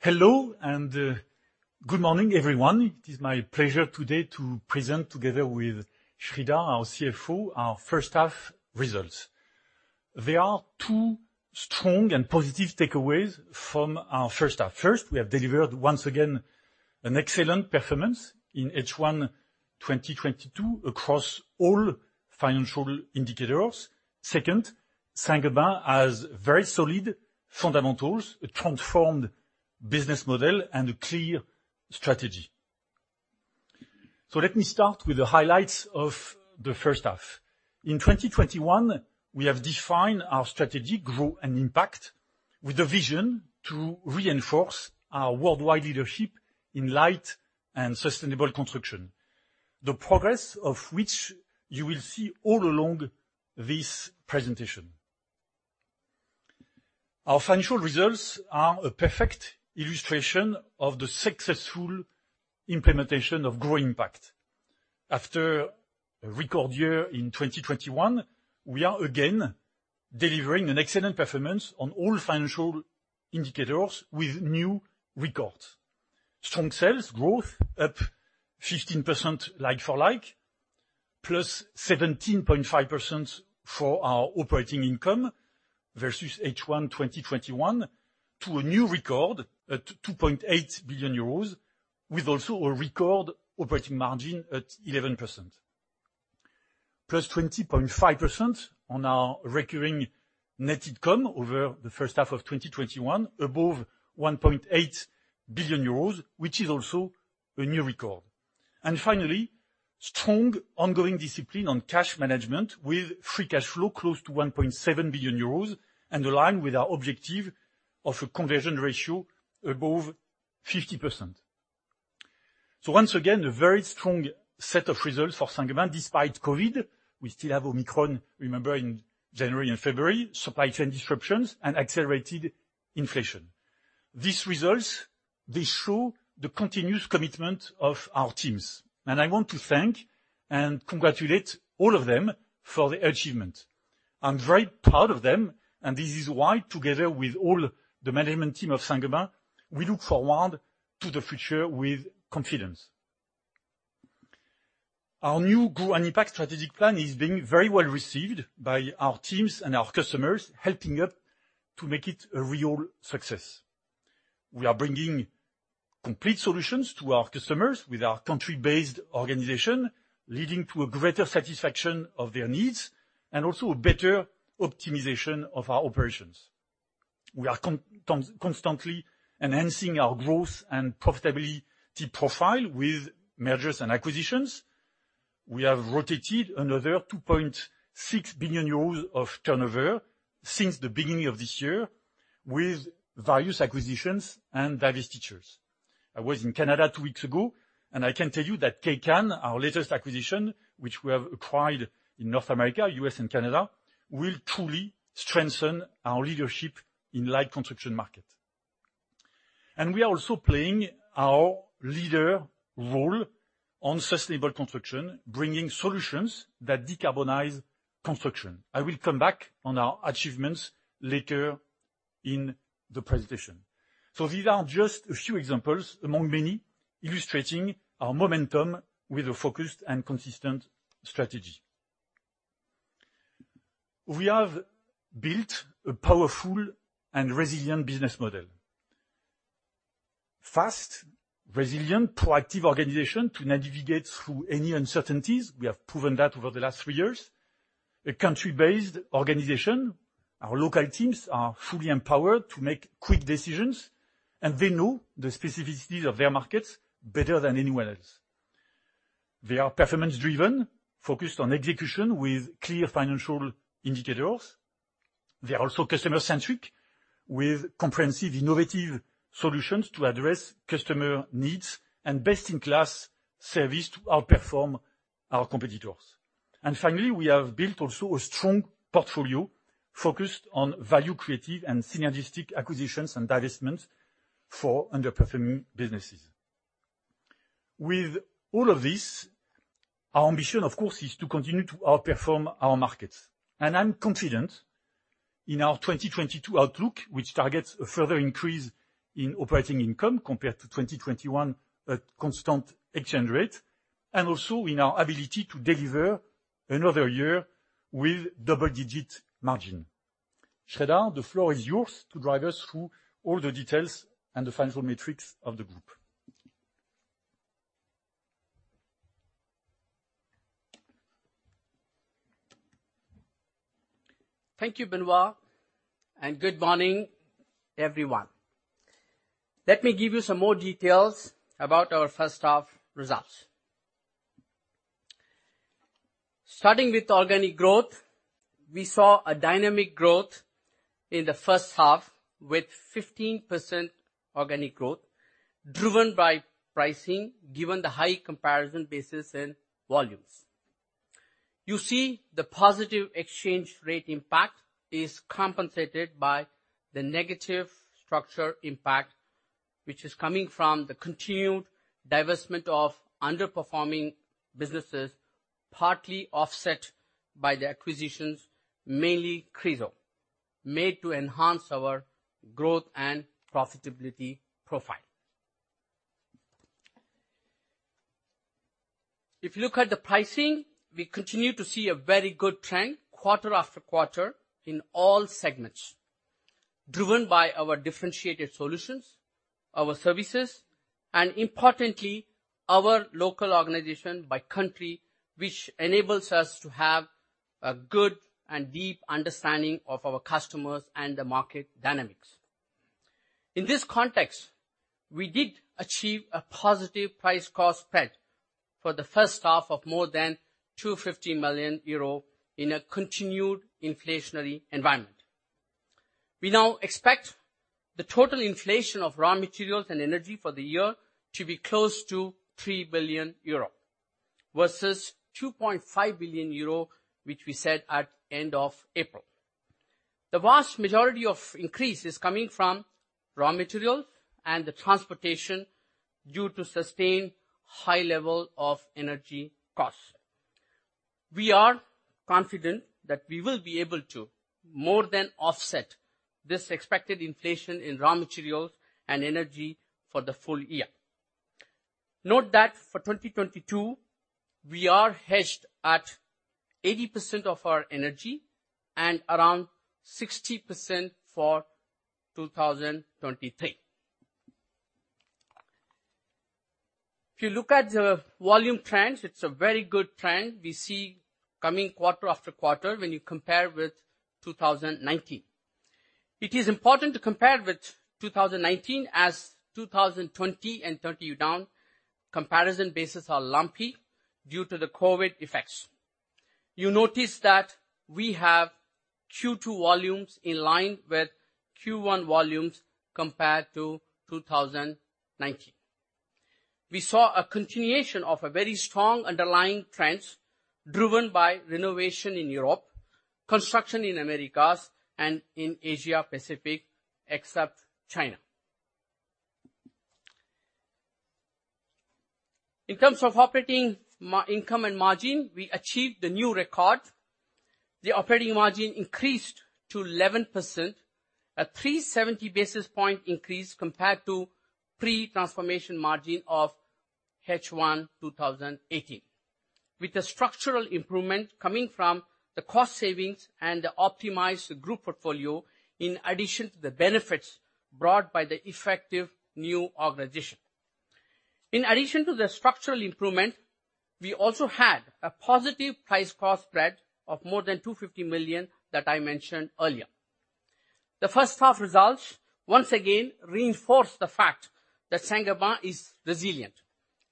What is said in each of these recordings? Hello, and good morning, everyone. It is my pleasure today to present together with Sreedhar, our CFO, our H1 results. There are two strong and positive takeaways from our H1. First, we have delivered, once again, an excellent performance in H1 2022 across all financial indicators. Second, Saint-Gobain has very solid fundamentals, a transformed business model, and a clear strategy. Let me start with the highlights of the H1. In 2021, we have defined our strategy, Grow & Impact, with the vision to reinforce our worldwide leadership in light and sustainable construction, the progress of which you will see all along this presentation. Our financial results are a perfect illustration of the successful implementation of Grow & Impact. After a record year in 2021, we are again delivering an excellent performance on all financial indicators with new records. Strong sales growth up 15% like for like, plus 17.5% for our operating income versus H1 2021 to a new record at 2.8 billion euros, with also a record operating margin at 11%. Plus 20.5% on our recurring net income over the H1 of 2021, above 1.8 billion euros, which is also a new record. Finally, strong ongoing discipline on cash management with free cash flow close to 1.7 billion euros and aligned with our objective of a conversion ratio above 50%. Once again, a very strong set of results for Saint-Gobain. Despite COVID, we still have Omicron, remember, in January and February, supply chain disruptions and accelerated inflation. These results, they show the continuous commitment of our teams, and I want to thank and congratulate all of them for the achievement. I'm very proud of them, and this is why, together with all the management team of Saint-Gobain, we look forward to the future with confidence. Our new Grow & Impact strategic plan is being very well received by our teams and our customers, helping us to make it a real success. We are bringing complete solutions to our customers with our country-based organization, leading to a greater satisfaction of their needs and also a better optimization of our operations. We are constantly enhancing our growth and profitability profile with mergers and acquisitions. We have rotated another 2.6 billion euros of turnover since the beginning of this year with various acquisitions and divestitures. I was in Canada two weeks ago, and I can tell you that Kaycan, our latest acquisition, which we have acquired in North America, U.S. and Canada, will truly strengthen our leadership in light construction market. We are also playing our leading role on sustainable construction, bringing solutions that decarbonize construction. I will come back on our achievements later in the presentation. These are just a few examples among many, illustrating our momentum with a focused and consistent strategy. We have built a powerful and resilient business model. Fast, resilient, proactive organization to navigate through any uncertainties. We have proven that over the last three years. A country-based organization. Our local teams are fully empowered to make quick decisions, and they know the specificities of their markets better than anyone else. They are performance driven, focused on execution with clear financial indicators. They are also customer centric with comprehensive, innovative solutions to address customer needs and best-in-class service to outperform our competitors. Finally, we have built also a strong portfolio focused on value creative and synergistic acquisitions and divestments for underperforming businesses. With all of this, our ambition, of course, is to continue to outperform our markets. I'm confident in our 2022 outlook, which targets a further increase in operating income compared to 2021 at constant exchange rate, and also in our ability to deliver another year with double-digit margin. Sreedhar, the floor is yours to drive us through all the details and the financial metrics of the group. Thank you, Benoit, and good morning, everyone. Let me give you some more details about our H1 results. Starting with organic growth, we saw a dynamic growth in the H1 with 15% organic growth, driven by pricing given the high comparison basis and volumes. You see the positive exchange rate impact is compensated by the negative structure impact, which is coming from the continued divestment of underperforming businesses, partly offset by the acquisitions, mainly Chryso, made to enhance our growth and profitability profile. If you look at the pricing, we continue to see a very good trend quarter after quarter in all segments, driven by our differentiated solutions, our services, and importantly, our local organization by country, which enables us to have a good and deep understanding of our customers and the market dynamics. In this context, we did achieve a positive price cost spread for the H1 of more than 250 million euro in a continued inflationary environment. We now expect the total inflation of raw materials and energy for the year to be close to 3 billion euro versus 2.5 billion euro, which we said at end of April. The vast majority of increase is coming from raw materials and the transportation due to sustained high level of energy costs. We are confident that we will be able to more than offset this expected inflation in raw materials and energy for the full year. Note that for 2022, we are hedged at 80% of our energy and around 60% for 2023. If you look at the volume trends, it's a very good trend we see coming quarter after quarter when you compare with 2019. It is important to compare with 2019 as 2020 and 2021 down comparison bases are lumpy due to the COVID effects. You notice that we have Q2 volumes in line with Q1 volumes compared to 2019. We saw a continuation of a very strong underlying trends driven by renovation in Europe, construction in Americas, and in Asia Pacific, except China. In terms of operating income and margin, we achieved the new record. The operating margin increased to 11%, a 370 basis point increase compared to pre-transformation margin of H1 2018. With the structural improvement coming from the cost savings and the optimized group portfolio, in addition to the benefits brought by the effective new organization. In addition to the structural improvement, we also had a positive price cost spread of more than 250 million that I mentioned earlier. The H1 results once again reinforce the fact that Saint-Gobain is resilient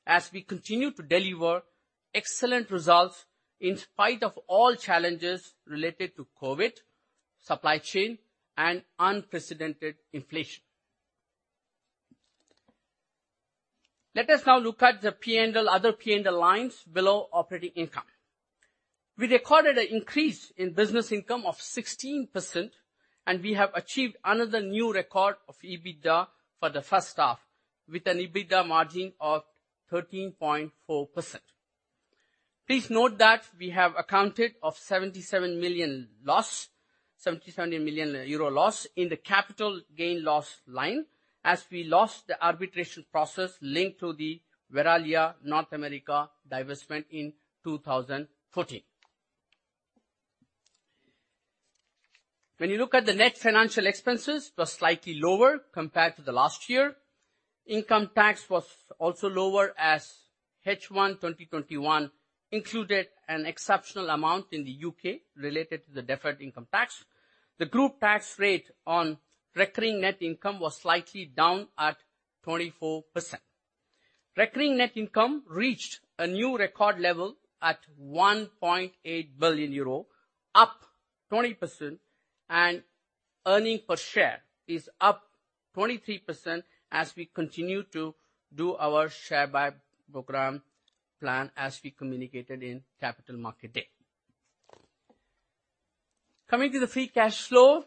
as we continue to deliver excellent results in spite of all challenges related to COVID, supply chain, and unprecedented inflation. Let us now look at the P&L, other P&L lines below operating income. We recorded an increase in business income of 16%, and we have achieved another new record of EBITDA for the H1 with an EBITDA margin of 13.4%. Please note that we have accounted for 77 million loss in the capital gain loss line as we lost the arbitration process linked to the Verallia North America divestment in 2014. When you look at the net financial expenses, it was slightly lower compared to the last year. Income tax was also lower as H1 2021 included an exceptional amount in the U.K. related to the deferred income tax. The group tax rate on recurring net income was slightly down at 24%. Recurring net income reached a new record level at 1.8 billion euro, up 20%, and earnings per share is up 23% as we continue to do our share buy program plan as we communicated in Capital Markets Day. Coming to the free cash flow,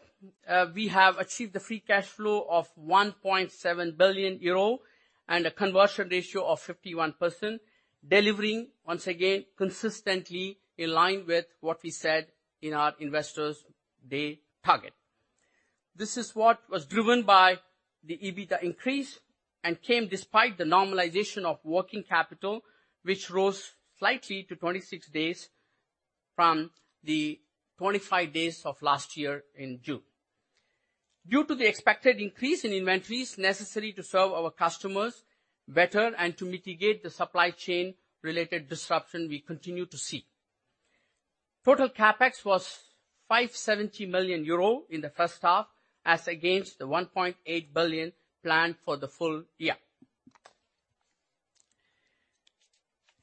we have achieved the free cash flow of 1.7 billion euro and a conversion ratio of 51%, delivering once again consistently in line with what we said in our Investor Day target. This is what was driven by the EBITDA increase and came despite the normalization of working capital, which rose slightly to 26 days from the 25 days of last year in June. Due to the expected increase in inventories necessary to serve our customers better and to mitigate the supply chain-related disruption we continue to see. Total CapEx was 570 million euro in the H1 as against the 1.8 billion planned for the full year.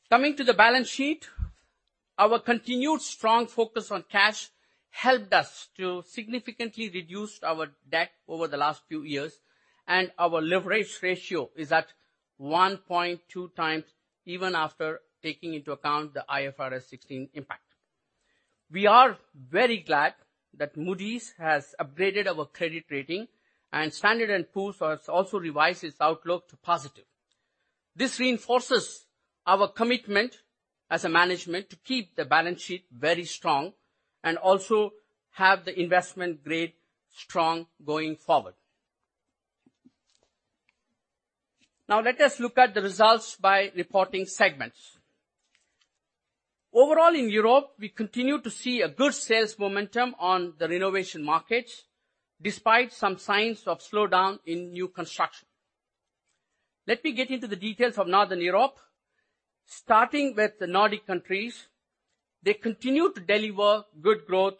Coming to the balance sheet, our continued strong focus on cash helped us to significantly reduce our debt over the last few years, and our leverage ratio is at 1.2x even after taking into account the IFRS 16 impact. We are very glad that Moody's has upgraded our credit rating and Standard & Poor's has also revised its outlook to positive. This reinforces our commitment as a management to keep the balance sheet very strong and also have the investment-grade strong going forward. Now let us look at the results by reporting segments. Overall in Europe, we continue to see a good sales momentum on the renovation markets, despite some signs of slowdown in new construction. Let me get into the details of Northern Europe. Starting with the Nordic countries, they continue to deliver good growth,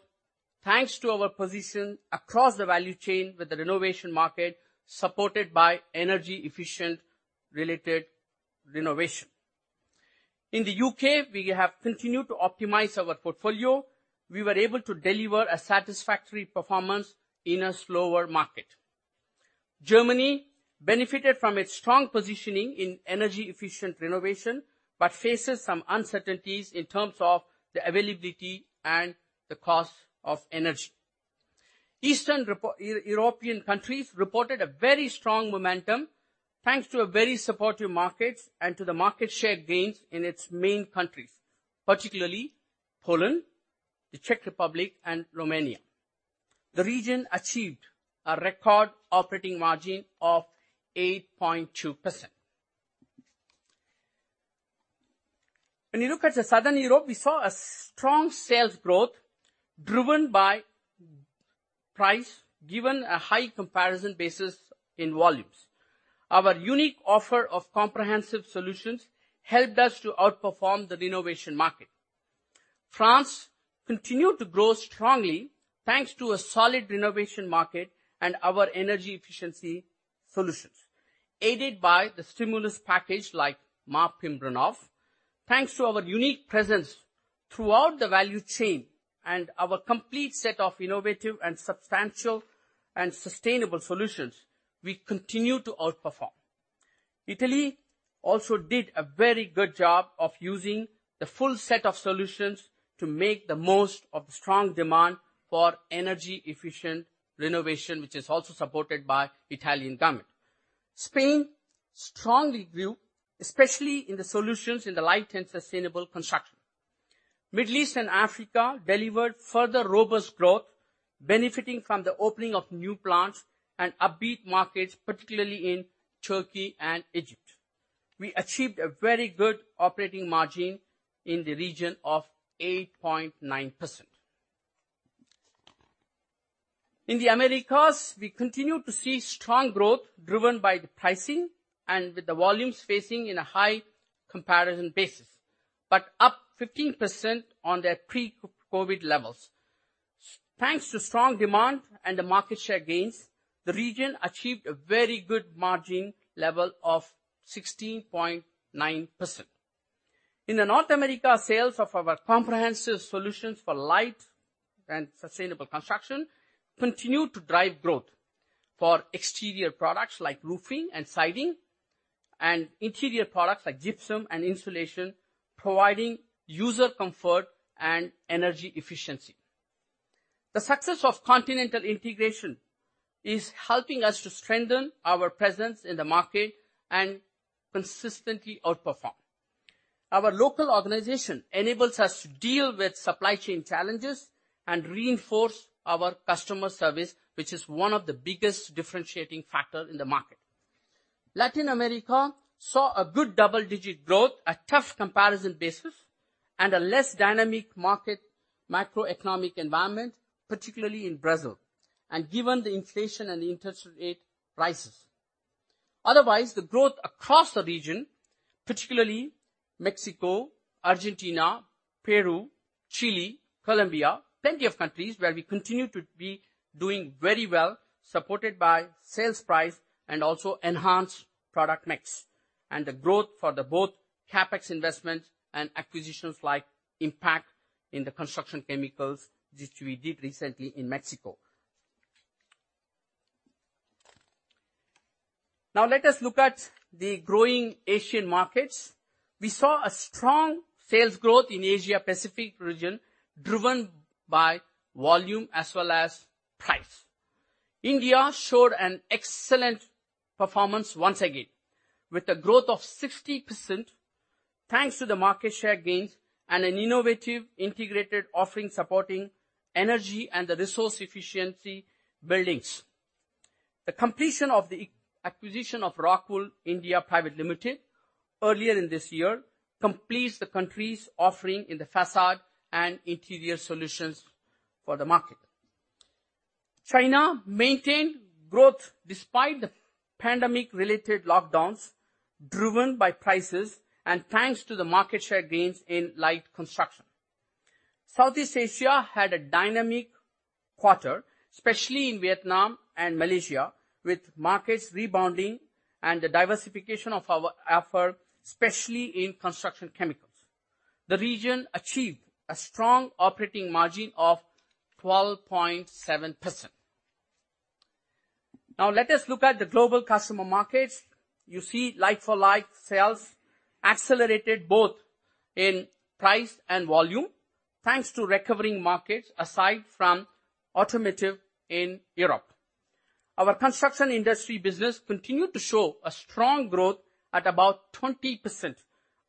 thanks to our position across the value chain with the renovation market supported by energy-efficient related renovation. In the U.K., we have continued to optimize our portfolio. We were able to deliver a satisfactory performance in a slower market. Germany benefited from its strong positioning in energy-efficient renovation, but faces some uncertainties in terms of the availability and the cost of energy. Eastern European countries reported a very strong momentum, thanks to a very supportive market and to the market share gains in its main countries, particularly Poland, the Czech Republic, and Romania. The region achieved a record operating margin of 8.2%. When you look at the Southern Europe, we saw a strong sales growth driven by price, given a high comparison basis in volumes. Our unique offer of comprehensive solutions helped us to outperform the renovation market. France continued to grow strongly, thanks to a solid renovation market and our energy efficiency solutions, aided by the stimulus package like MaPrimeRénov'. Thanks to our unique presence throughout the value chain and our complete set of innovative and substantial and sustainable solutions, we continue to outperform. Italy also did a very good job of using the full set of solutions to make the most of the strong demand for energy efficient renovation, which is also supported by Italian government. Spain strongly grew, especially in the solutions in the light and sustainable construction. Middle East and Africa delivered further robust growth, benefiting from the opening of new plants and upbeat markets, particularly in Turkey and Egypt. We achieved a very good operating margin in the region of 8.9%. In the Americas, we continue to see strong growth driven by the pricing and with the volumes facing in a high comparison basis. Up 15% on their pre-COVID levels. Thanks to strong demand and the market share gains, the region achieved a very good margin level of 16.9%. In North America, sales of our comprehensive solutions for light and sustainable construction continue to drive growth for exterior products like roofing and siding, and interior products like gypsum and insulation, providing user comfort and energy efficiency. The success of Continental integration is helping us to strengthen our presence in the market and consistently outperform. Our local organization enables us to deal with supply chain challenges and reinforce our customer service, which is one of the biggest differentiating factor in the market. Latin America saw a good double-digit growth, a tough comparison basis, and a less dynamic market macroeconomic environment, particularly in Brazil, and given the inflation and interest rate rises. Otherwise, the growth across the region, particularly Mexico, Argentina, Peru, Chile, Colombia, plenty of countries where we continue to be doing very well, supported by sales price and also enhanced product mix, and the growth for the both CapEx investments and acquisitions like IMPAC in the construction chemicals, which we did recently in Mexico. Now let us look at the growing Asian markets. We saw a strong sales growth in Asia Pacific region driven by volume as well as price. India showed an excellent performance once again, with a growth of 60% thanks to the market share gains and an innovative integrated offering supporting energy and the resource efficiency buildings. The completion of the acquisition of Rockwool India Private Limited earlier in this year completes the country's offering in the facade and interior solutions for the market. China maintained growth despite the pandemic-related lockdowns driven by prices and thanks to the market share gains in light construction. Southeast Asia had a dynamic quarter, especially in Vietnam and Malaysia, with markets rebounding and the diversification of our effort, especially in construction chemicals. The region achieved a strong operating margin of 12.7%. Now let us look at the global customer markets. You see like-for-like sales accelerated both in price and volume, thanks to recovering markets aside from automotive in Europe. Our construction industry business continued to show a strong growth at about 20%,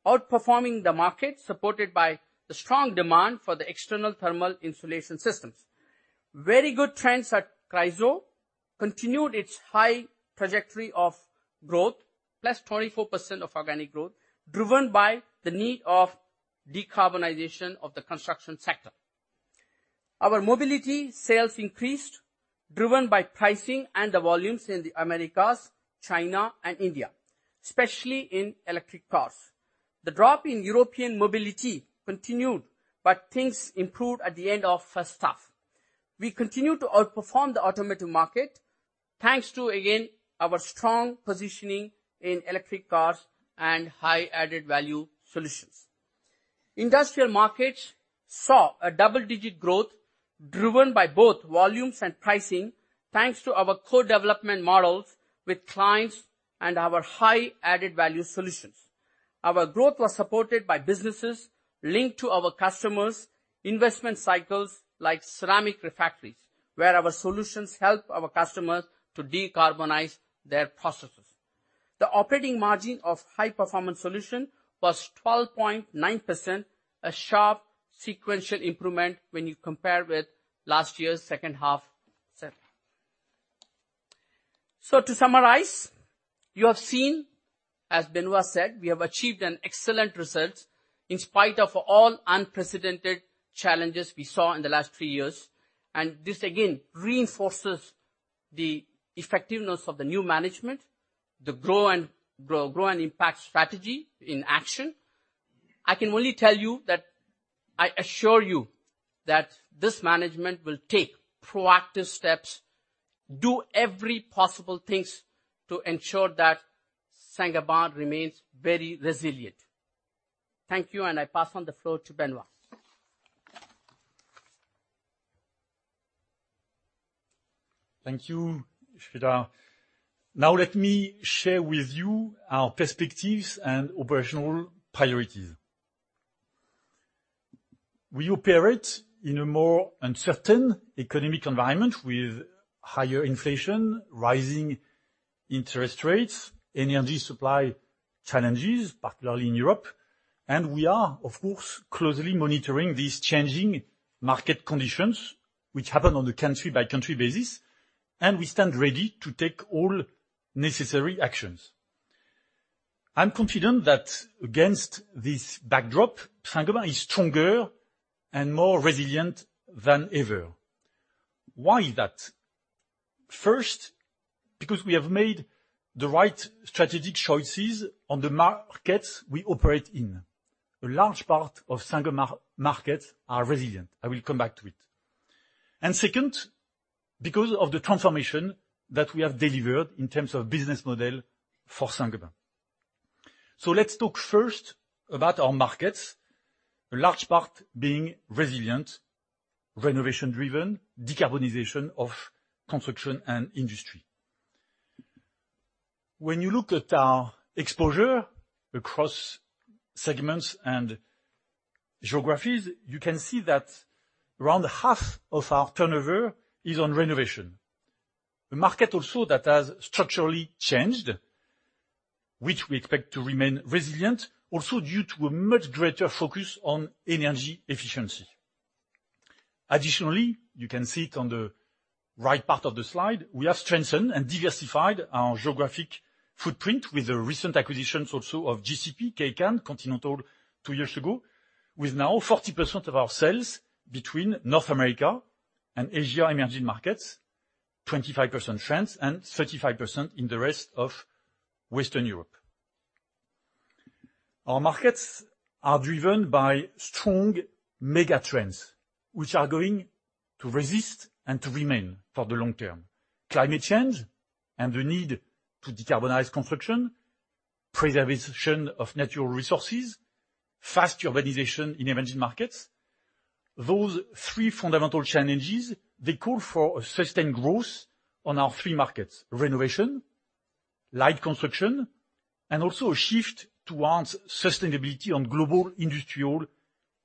outperforming the market, supported by the strong demand for the external thermal insulation systems. Very good trends at Chryso continued its high trajectory of growth, +24% organic growth, driven by the need of decarbonization of the construction sector. Our mobility sales increased, driven by pricing and the volumes in the Americas, China and India, especially in electric cars. The drop in European mobility continued, but things improved at the end of H1. We continue to outperform the automotive market, thanks to again, our strong positioning in electric cars and high added-value solutions. Industrial markets saw a double-digit growth driven by both volumes and pricing, thanks to our co-development models with clients and our high added-value solutions. Our growth was supported by businesses linked to our customers' investment cycles like ceramic refractories, where our solutions help our customers to decarbonize their processes. The operating margin of High-Performance Solutions was 12.9%, a sharp sequential improvement when you compare with last year's H2 sales. To summarize, you have seen, as Benoit said, we have achieved an excellent result in spite of all unprecedented challenges we saw in the last three years. This again reinforces the effectiveness of the new management, the Grow & Impact strategy in action. I can only tell you that I assure you that this management will take proactive steps, do every possible things to ensure that Saint-Gobain remains very resilient. Thank you, and I pass on the floor to Benoit. Thank you, Sreedhar. Now let me share with you our perspectives and operational priorities. We operate in a more uncertain economic environment with higher inflation, rising interest rates, energy supply challenges, particularly in Europe. We are, of course, closely monitoring these changing market conditions, which happen on a country-by-country basis, and we stand ready to take all necessary actions. I'm confident that against this backdrop, Saint-Gobain is stronger and more resilient than ever. Why is that? First, because we have made the right strategic choices on the markets we operate in. A large part of Saint-Gobain markets are resilient. I will come back to it. Second, because of the transformation that we have delivered in terms of business model for Saint-Gobain. Let's talk first about our markets, a large part being resilient, renovation-driven, decarbonization of construction and industry. When you look at our exposure across segments and geographies, you can see that around half of our turnover is on renovation. A market also that has structurally changed, which we expect to remain resilient, also due to a much greater focus on energy efficiency. Additionally, you can see it on the right part of the slide, we have strengthened and diversified our geographic footprint with the recent acquisitions also of GCP, Kaycan, Continental two years ago, with now 40% of our sales between North America and Asia emerging markets, 25% France and 35% in the rest of Western Europe. Our markets are driven by strong mega trends which are going to resist and to remain for the long term. Climate change and the need to decarbonize construction, preservation of natural resources, fast urbanization in emerging markets. Those three fundamental challenges, they call for a sustained growth on our three markets: renovation, light construction, and also a shift towards sustainability on global, industrial,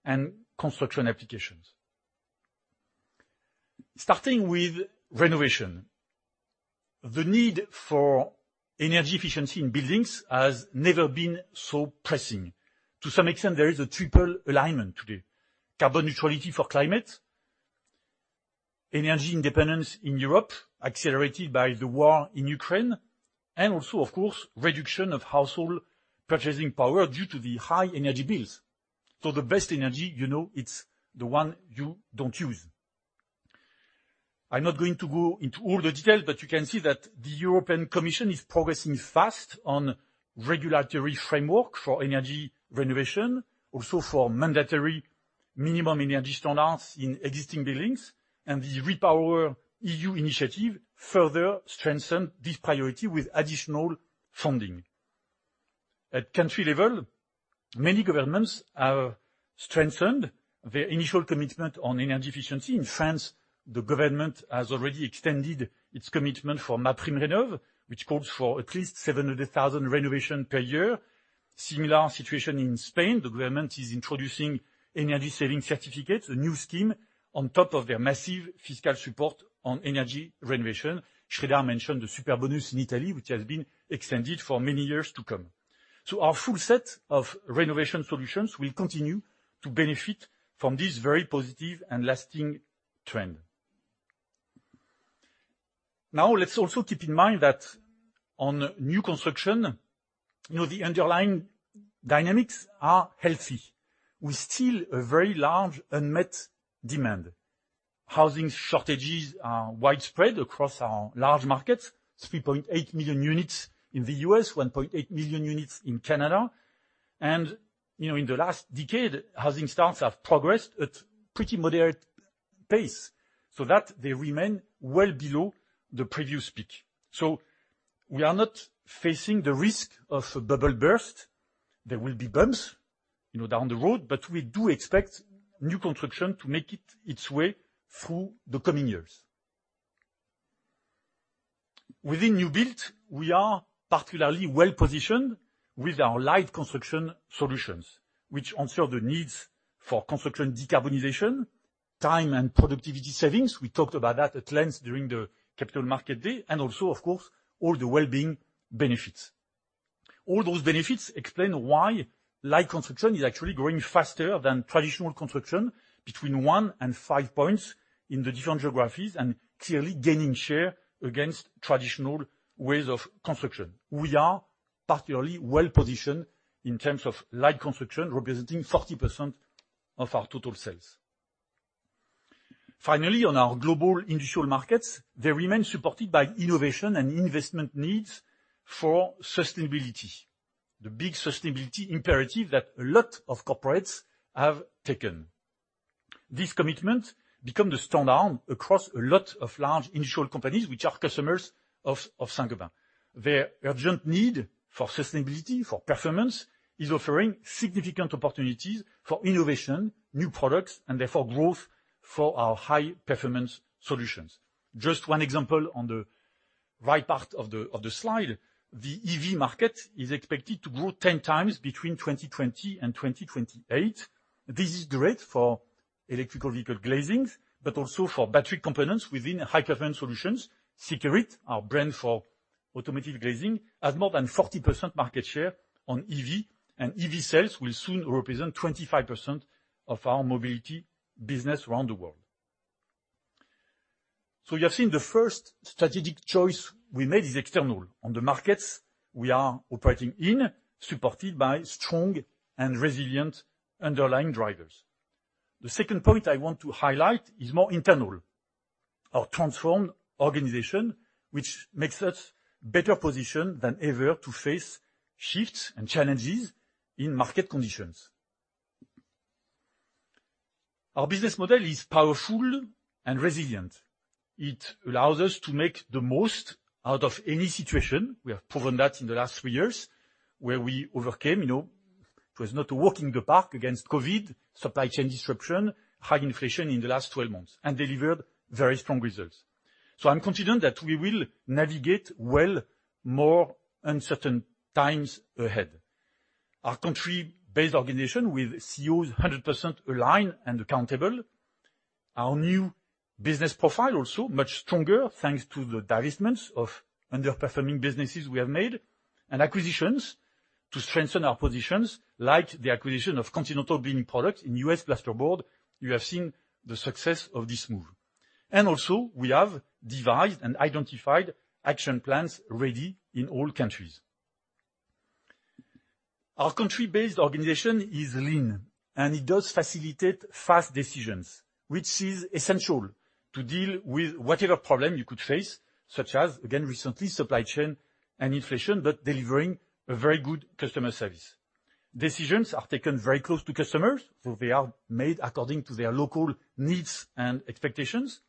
and construction applications. Starting with renovation, the need for energy efficiency in buildings has never been so pressing. To some extent, there is a triple alignment today. Carbon neutrality for climate, energy independence in Europe accelerated by the war in Ukraine, and also of course, reduction of household purchasing power due to the high energy bills. The best energy, you know, it's the one you don't use. I'm not going to go into all the details, but you can see that the European Commission is progressing fast on regulatory framework for energy renovation, also for mandatory minimum energy standards in existing buildings, and the REPowerEU initiative further strengthen this priority with additional funding. At country level, many governments have strengthened their initial commitment on energy efficiency. In France, the government has already extended its commitment for MaPrimeRénov', which calls for at least 700,000 renovation per year. Similar situation in Spain, the government is introducing energy saving certificates, a new scheme on top of their massive fiscal support on energy renovation. Sreedhar mentioned the Superbonus in Italy, which has been extended for many years to come. Our full set of renovation solutions will continue to benefit from this very positive and lasting trend. Now let's also keep in mind that on new construction, you know, the underlying dynamics are healthy, with still a very large unmet demand. Housing shortages are widespread across our large markets, 3.8 million units in the U.S., 1.8 million units in Canada. You know, in the last decade, housing starts have progressed at pretty moderate pace, so that they remain well below the previous peak. We are not facing the risk of a bubble burst. There will be bumps, you know, down the road, but we do expect new construction to make its way through the coming years. Within new build, we are particularly well-positioned with our light construction solutions, which answer the needs for construction decarbonization, time and productivity savings. We talked about that at length during the Capital Markets Day, and also, of course, all the well-being benefits. All those benefits explain why light construction is actually growing faster than traditional construction between one and five points in the different geographies, and clearly gaining share against traditional ways of construction. We are particularly well-positioned in terms of light construction, representing 40% of our total sales. Finally, on our global industrial markets, they remain supported by innovation and investment needs for sustainability, the big sustainability imperative that a lot of corporates have taken. This commitment becomes the standard across a lot of large industrial companies which are customers of Saint-Gobain. Their urgent need for sustainability, for performance, is offering significant opportunities for innovation, new products, and therefore growth for our High-Performance Solutions. Just one example on the right part of the slide. The EV market is expected to grow 10 times between 2020 and 2028. This is great for electric vehicle glazings, but also for battery components within High-Performance Solutions. Sekurit, our brand for automotive glazing, has more than 40% market share on EV. And EV sales will soon represent 25% of our mobility business around the world. You have seen the first strategic choice we made is external. On the markets we are operating in, supported by strong and resilient underlying drivers. The second point I want to highlight is more internal. Our transformed organization, which makes us better positioned than ever to face shifts and challenges in market conditions. Our business model is powerful and resilient. It allows us to make the most out of any situation. We have proven that in the last three years, where we overcame, you know, it was not a walk in the park against COVID, supply chain disruption, high inflation in the last 12 months, and delivered very strong results. I'm confident that we will navigate well more uncertain times ahead. Our country-based organization with CEOs 100% aligned and accountable. Our new business profile also much stronger, thanks to the divestments of underperforming businesses we have made. Acquisitions to strengthen our positions, like the acquisition of Continental Building Products in U.S. plasterboard. You have seen the success of this move. Also, we have devised and identified action plans ready in all countries. Our country-based organization is lean, and it does facilitate fast decisions, which is essential to deal with whatever problem you could face, such as, again, recently, supply chain and inflation, but delivering a very good customer service. Decisions are taken very close to customers, so they are made according to their local needs and expectations.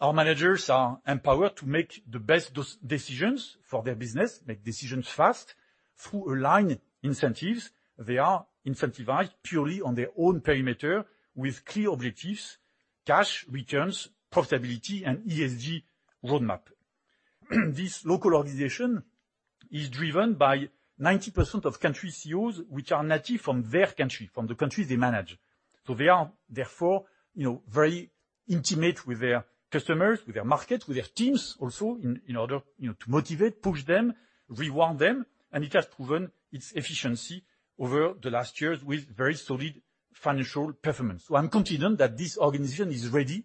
Our managers are empowered to make the best decisions for their business, make decisions fast through aligned incentives. They are incentivized purely on their own perimeter with clear objectives, cash returns, profitability, and ESG roadmap. This local organization is driven by 90% of country CEOs, which are native from their country, from the countries they manage. They are therefore, you know, very intimate with their customers, with their market, with their teams also in order, you know, to motivate, push them, reward them. It has proven its efficiency over the last years with very solid financial performance. I'm confident that this organization is ready,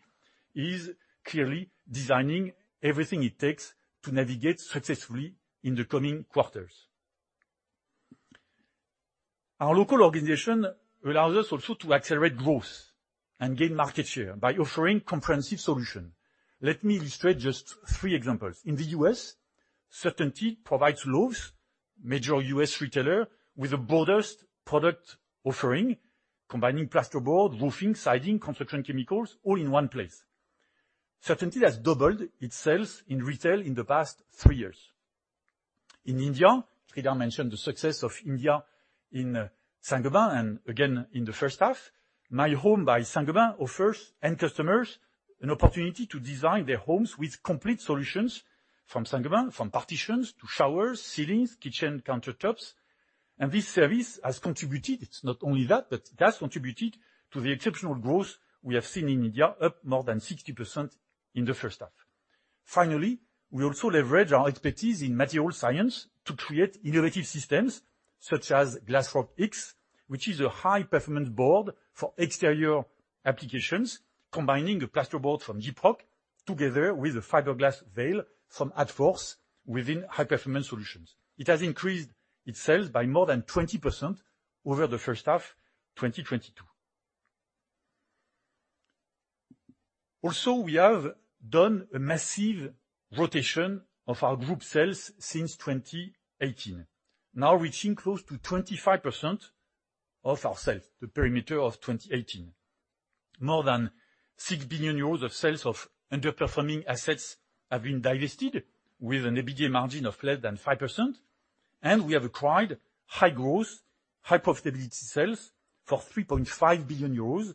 is clearly designing everything it takes to navigate successfully in the coming quarters. Our local organization allows us also to accelerate growth and gain market share by offering comprehensive solution. Let me illustrate just three examples. In the U.S., CertainTeed provides Lowe's, major U.S. retailer, with the broadest product offering, combining plasterboard, roofing, siding, construction chemicals, all in one place. CertainTeed has doubled its sales in retail in the past three years. In India, Sreedhar mentioned the success in India in Saint-Gobain, and again in the H1. My Home by Saint-Gobain offers end customers an opportunity to design their homes with complete solutions from Saint-Gobain, from partitions to showers, ceilings, kitchen countertops. This service has contributed. It's not only that, but it has contributed to the exceptional growth we have seen in India, up more than 60% in the H1 Finally, we also leverage our expertise in material science to create innovative systems such as Glasroc X, which is a high-performance board for exterior applications, combining the plaster board from Gyproc together with a fiberglass veil from ADFORS within High Performance Solutions. It has increased its sales by more than 20% over the H1, 2022. Also, we have done a massive rotation of our group sales since 2018, now reaching close to 25% of our sales, the perimeter of 2018. More than 6 billion euros of sales of underperforming assets have been divested with an EBITDA margin of less than 5%, and we have acquired high growth, high profitability sales for 3.5 billion euros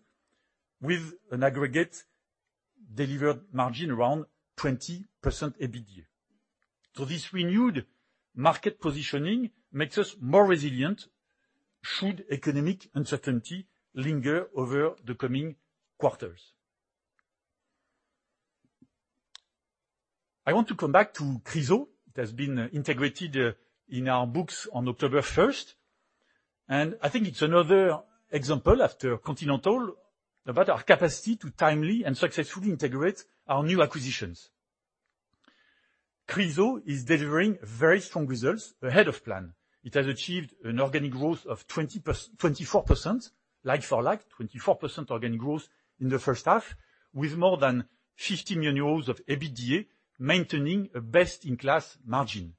with an aggregate delivered margin around 20% EBITDA. This renewed market positioning makes us more resilient should economic uncertainty linger over the coming quarters. I want to come back to Chryso. It has been integrated in our books on October first, and I think it's another example, after Continental, about our capacity to timely and successfully integrate our new acquisitions. Chryso is delivering very strong results ahead of plan. It has achieved an organic growth of 24% like for like, 24% organic growth in the H1, with more than 50 million euros of EBITDA, maintaining a best-in-class margin.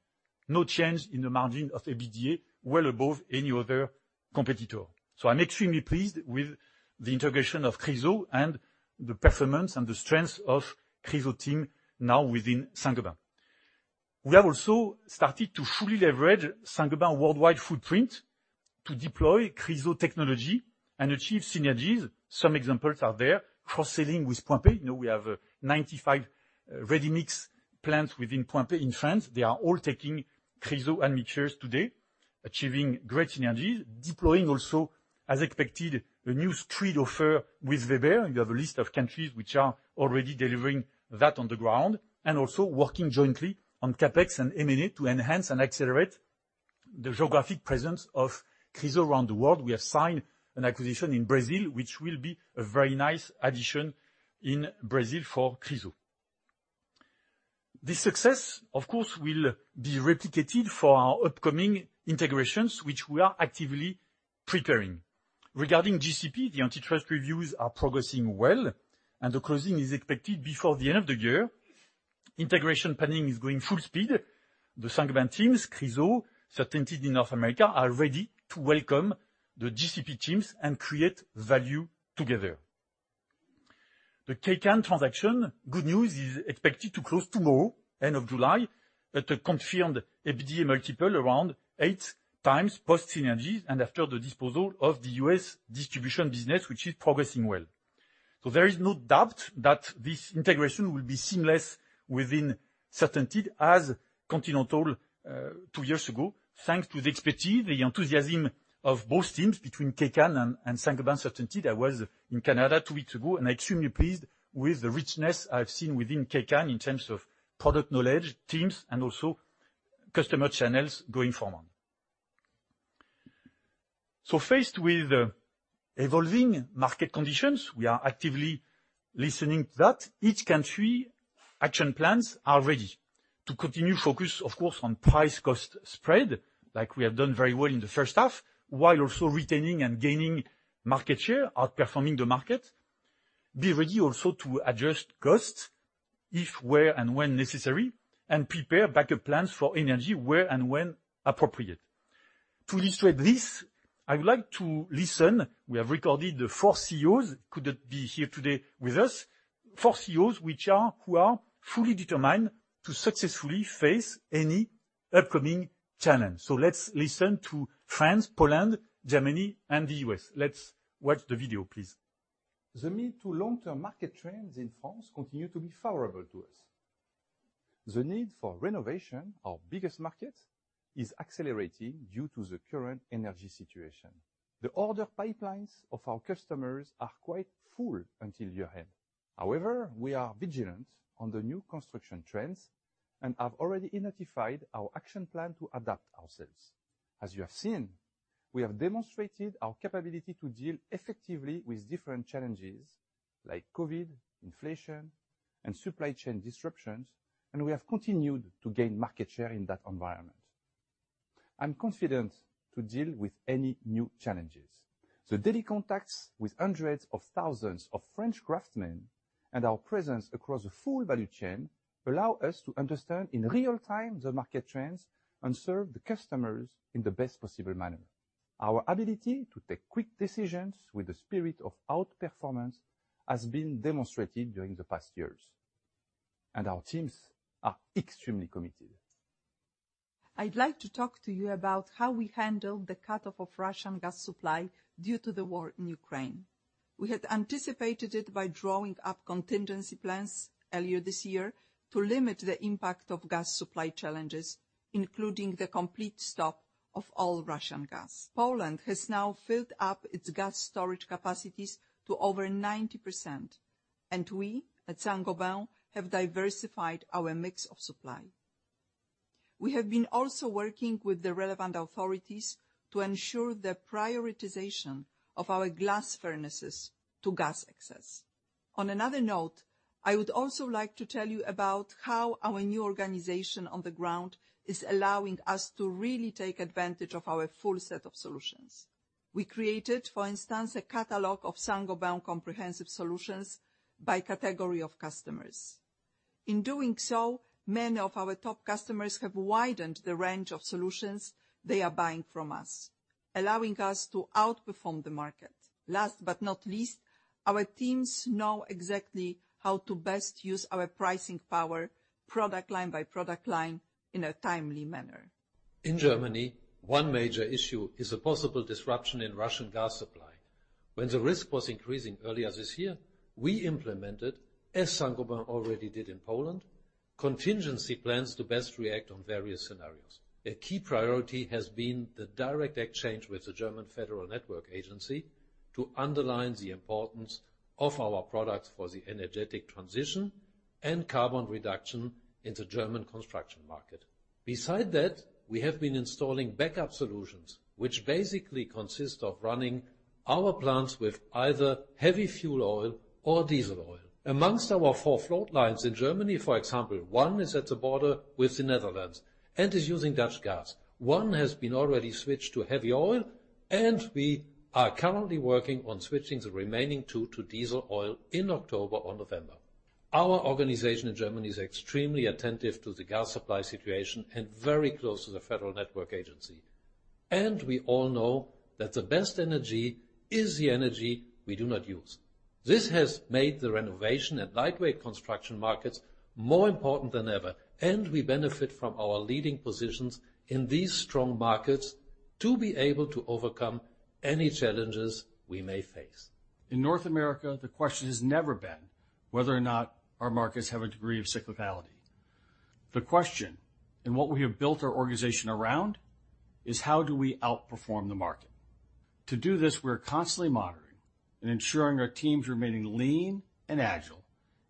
No change in the margin of EBITDA, well above any other competitor. I'm extremely pleased with the integration of Chryso and the performance and the strength of Chryso team now within Saint-Gobain. We have also started to fully leverage Saint-Gobain worldwide footprint to deploy Chryso technology and achieve synergies. Some examples are there. Cross-selling with Pompeii. You know, we have 95 ready-mix plants within Pompeii in France. They are all taking Chryso admixtures today, achieving great synergies. Deploying also, as expected, a new screed offer with Weber. You have a list of countries which are already delivering that on the ground. also working jointly on CapEx and M&A to enhance and accelerate the geographic presence of Chryso around the world. We have signed an acquisition in Brazil, which will be a very nice addition in Brazil for Chryso. This success, of course, will be replicated for our upcoming integrations, which we are actively preparing. Regarding GCP, the antitrust reviews are progressing well, and the closing is expected before the end of the year. Integration planning is going full speed. The Saint-Gobain teams, Chryso, CertainTeed in North America, are ready to welcome the GCP teams and create value together. The Kaycan transaction. Good news is expected to close tomorrow, end of July, at a confirmed EV multiple around 8x post synergies and after the disposal of the U.S. distribution business, which is progressing well. There is no doubt that this integration will be seamless within CertainTeed as Continental two years ago, thanks to the expertise, the enthusiasm of both teams between Kaycan and Saint-Gobain CertainTeed. I was in Canada two weeks ago, and extremely pleased with the richness I've seen within Kaycan in terms of product knowledge, teams, and also customer channels going forward. Faced with evolving market conditions, we are actively listening to that. Each country action plans are ready to continue focus, of course, on price cost spread, like we have done very well in the H1, while also retaining and gaining market share, outperforming the market. Be ready also to adjust costs if, where, and when necessary, and prepare backup plans for energy where and when appropriate. To illustrate this, I would like to listen. We have recorded the four CEOs who couldn't be here today with us, four CEOs who are fully determined to successfully face any upcoming challenge. Let's listen to France, Poland, Germany, and the U.S. Let's watch the video, please. The mid to long-term market trends in France continue to be favorable to us. The need for renovation, our biggest market, is accelerating due to the current energy situation. The order pipelines of our customers are quite full until year-end. However, we are vigilant on the new construction trends and have already identified our action plan to adapt ourselves. As you have seen, we have demonstrated our capability to deal effectively with different challenges like COVID, inflation, and supply chain disruptions, and we have continued to gain market share in that environment. I'm confident to deal with any new challenges. The daily contacts with hundreds of thousands of French craftsmen and our presence across the full value chain allow us to understand in real-time the market trends and serve the customers in the best possible manner. Our ability to take quick decisions with the spirit of outperformance has been demonstrated during the past years, and our teams are extremely committed. I'd like to talk to you about how we handle the cutoff of Russian gas supply due to the war in Ukraine. We had anticipated it by drawing up contingency plans earlier this year to limit the impact of gas supply challenges, including the complete stop of all Russian gas. Poland has now filled up its gas storage capacities to over 90%, and we at Saint-Gobain have diversified our mix of supply. We have been also working with the relevant authorities to ensure the prioritization of our glass furnaces to gas access. On another note, I would also like to tell you about how our new organization on the ground is allowing us to really take advantage of our full set of solutions. We created, for instance, a catalog of Saint-Gobain comprehensive solutions by category of customers. In doing so, many of our top customers have widened the range of solutions they are buying from us, allowing us to outperform the market. Last but not least, our teams know exactly how to best use our pricing power, product line by product line in a timely manner. In Germany, one major issue is a possible disruption in Russian gas supply. When the risk was increasing earlier this year, we implemented, as Saint-Gobain already did in Poland, contingency plans to best react to various scenarios. A key priority has been the direct exchange with the Federal Network Agency to underline the importance of our products for the energy transition and carbon reduction in the German construction market. Besides that, we have been installing backup solutions, which basically consist of running our plants with either heavy fuel oil or diesel oil. Among our four float lines in Germany, for example, one is at the border with the Netherlands and is using Dutch gas. One has been already switched to heavy oil, and we are currently working on switching the remaining two to diesel oil in October or November. Our organization in Germany is extremely attentive to the gas supply situation and very close to the Federal Network Agency. We all know that the best energy is the energy we do not use. This has made the renovation and lightweight construction markets more important than ever, and we benefit from our leading positions in these strong markets to be able to overcome any challenges we may face. In North America, the question has never been whether or not our markets have a degree of cyclicality. The question, and what we have built our organization around, is how do we outperform the market? To do this, we're constantly monitoring and ensuring our teams remaining lean and agile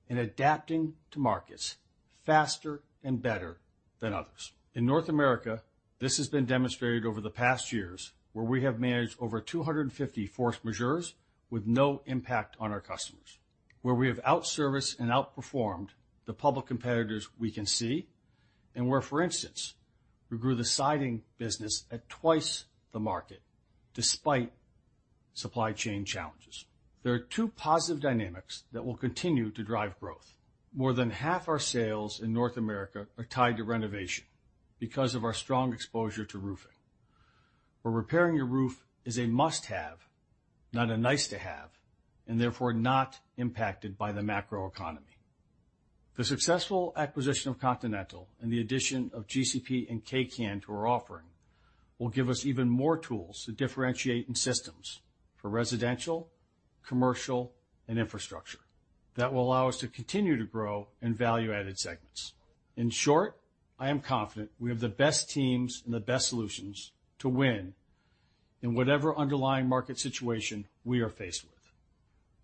and adapting to markets faster and better than others. In North America, this has been demonstrated over the past years, where we have managed over 250 force majeures with no impact on our customers, where we have out-serviced and outperformed the public competitors we can see, and where, for instance, we grew the siding business at twice the market despite supply chain challenges. There are two positive dynamics that will continue to drive growth. More than half our sales in North America are tied to renovation because of our strong exposure to roofing, where repairing your roof is a must-have, not a nice-to-have, and therefore not impacted by the macro economy. The successful acquisition of Continental and the addition of GCP and Kaycan to our offering will give us even more tools to differentiate in systems for residential, commercial, and infrastructure that will allow us to continue to grow in value-added segments. In short, I am confident we have the best teams and the best solutions to win in whatever underlying market situation we are faced with.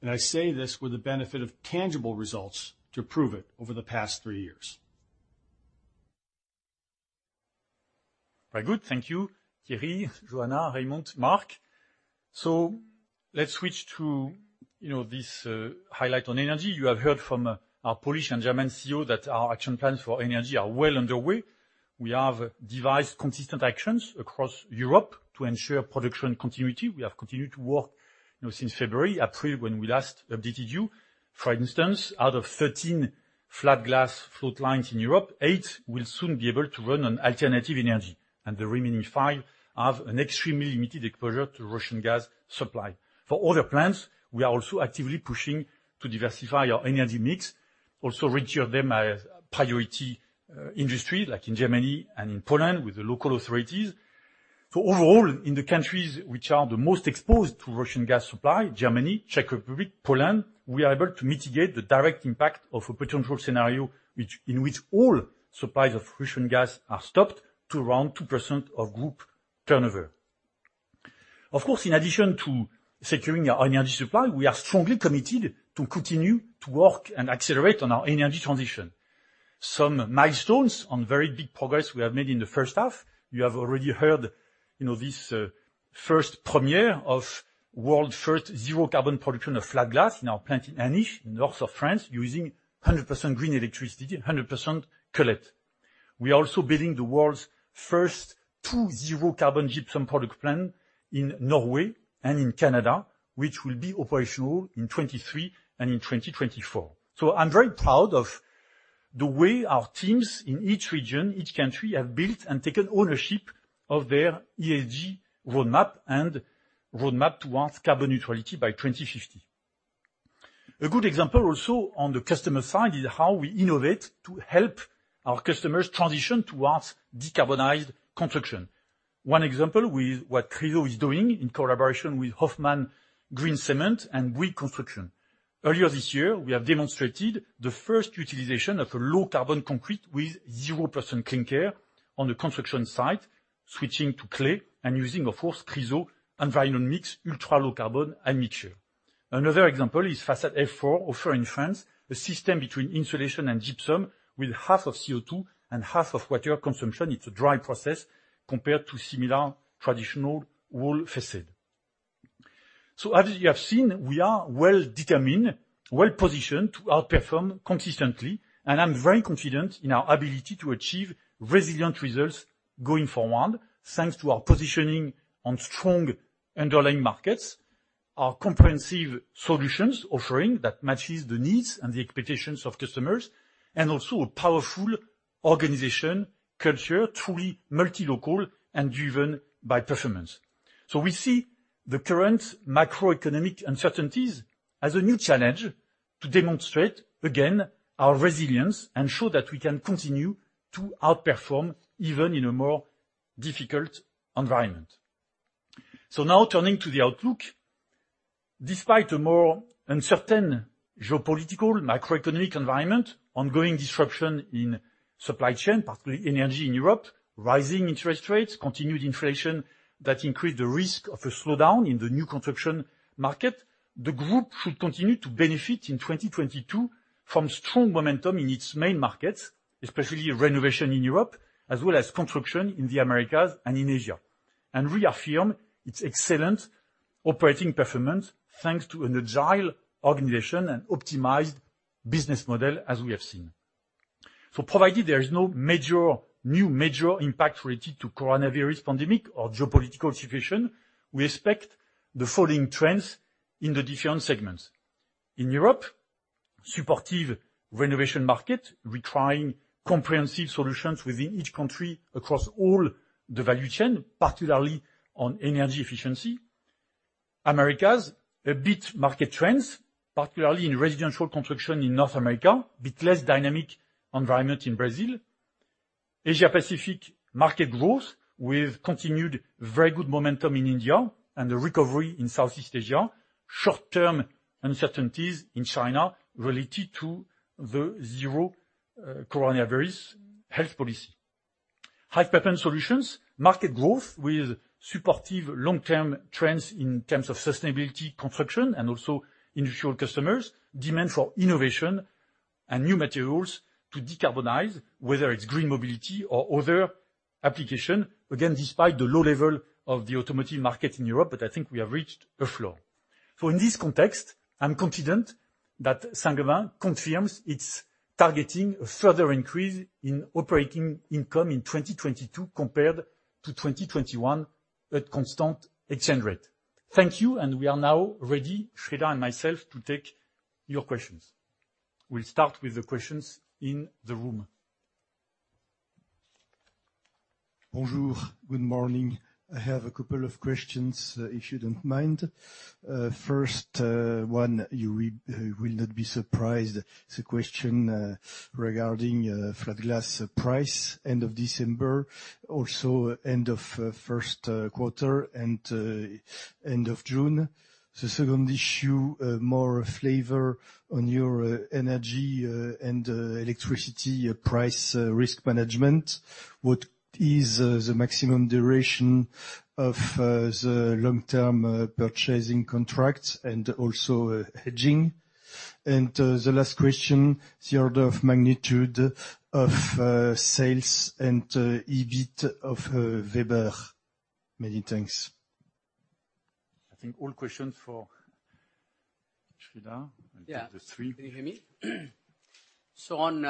I say this with the benefit of tangible results to prove it over the past three years. Very good. Thank you, Thierry, Joanna, Raimund, Mark. Let's switch to, you know, this highlight on energy. You have heard from our Polish and German CEO that our action plans for energy are well underway. We have devised consistent actions across Europe to ensure production continuity. We have continued to work, you know, since February, April, when we last updated you. For instance, out of 13 flat glass float lines in Europe, eight will soon be able to run on alternative energy, and the remaining five have an extremely limited exposure to Russian gas supply. For other plants, we are also actively pushing to diversify our energy mix, also register them as priority industry, like in Germany and in Poland, with the local authorities. Overall, in the countries which are the most exposed to Russian gas supply, Germany, Czech Republic, Poland, we are able to mitigate the direct impact of a potential scenario in which all supplies of Russian gas are stopped to around 2% of group turnover. Of course, in addition to securing our energy supply, we are strongly committed to continue to work and accelerate on our energy transition. Some milestones on very big progress we have made in the H1. You have already heard, you know, this, first premiere of world first zero carbon production of flat glass in our plant in Aniche, north of France, using 100% green electricity, 100% cullet. We're also building the world's first two zero carbon gypsum product plant in Norway and in Canada, which will be operational in 2023 and in 2024. I'm very proud of the way our teams in each region, each country, have built and taken ownership of their ESG roadmap and roadmap towards carbon neutrality by 2050. A good example also on the customer side is how we innovate to help our customers transition towards decarbonized construction. One example with what Chryso is doing in collaboration with Hoffmann Green Cement and Weber. Earlier this year, we have demonstrated the first utilization of a low carbon concrete with 0% clinker on the construction site, switching to clay and using, of course, Chryso EnviroMix, ultra-low carbon admixture. Another example is Façade F4 offer in France, a system between insulation and gypsum with half of CO2 and half of water consumption. It's a dry process compared to similar traditional wall façade. As you have seen, we are well determined, well-positioned to outperform consistently, and I'm very confident in our ability to achieve resilient results going forward thanks to our positioning on strong underlying markets, our comprehensive solutions offering that matches the needs and the expectations of customers, and also a powerful organization culture, truly multi-local and driven by performance. We see the current macroeconomic uncertainties as a new challenge to demonstrate, again, our resilience and show that we can continue to outperform even in a more difficult environment. Now turning to the outlook. Despite a more uncertain geopolitical macroeconomic environment, ongoing disruption in supply chain, particularly energy in Europe, rising interest rates, continued inflation that increased the risk of a slowdown in the new construction market, the group should continue to benefit in 2022 from strong momentum in its main markets, especially renovation in Europe, as well as construction in the Americas and in Asia. We affirm its excellent operating performance, thanks to an agile organization and optimized business model as we have seen. Provided there is no major new impact related to coronavirus pandemic or geopolitical situation, we expect the following trends in the different segments. In Europe, supportive renovation market, we're trying comprehensive solutions within each country across all the value chain, particularly on energy efficiency. Americas, upbeat market trends, particularly in residential construction in North America, a bit less dynamic environment in Brazil. Asia-Pacific market growth with continued very good momentum in India and a recovery in Southeast Asia. Short-term uncertainties in China related to the zero-COVID health policy. High Performance Solutions market growth with supportive long-term trends in terms of sustainable construction and also industrial customers demand for innovation and new materials to decarbonize, whether it's green mobility or other application. Again, despite the low level of the automotive market in Europe, but I think we have reached a floor. In this context, I'm confident that Saint-Gobain confirms it's targeting a further increase in operating income in 2022 compared to 2021 at constant exchange rate. Thank you, and we are now ready, Sridhar and myself, to take your questions. We'll start with the questions in the room. Bonjour. Good morning. I have a couple of questions, if you don't mind. First one, you will not be surprised. It's a question regarding flat glass price end of December, also end of Q1 and end of June. The second issue, more flavor on your energy and electricity price risk management. What is the maximum duration of the long-term purchasing contracts and also hedging? The last question, the order of magnitude of sales and EBIT of Weber. Many thanks. I think all questions for Sreedhar. Yeah. The three. Can you hear me? On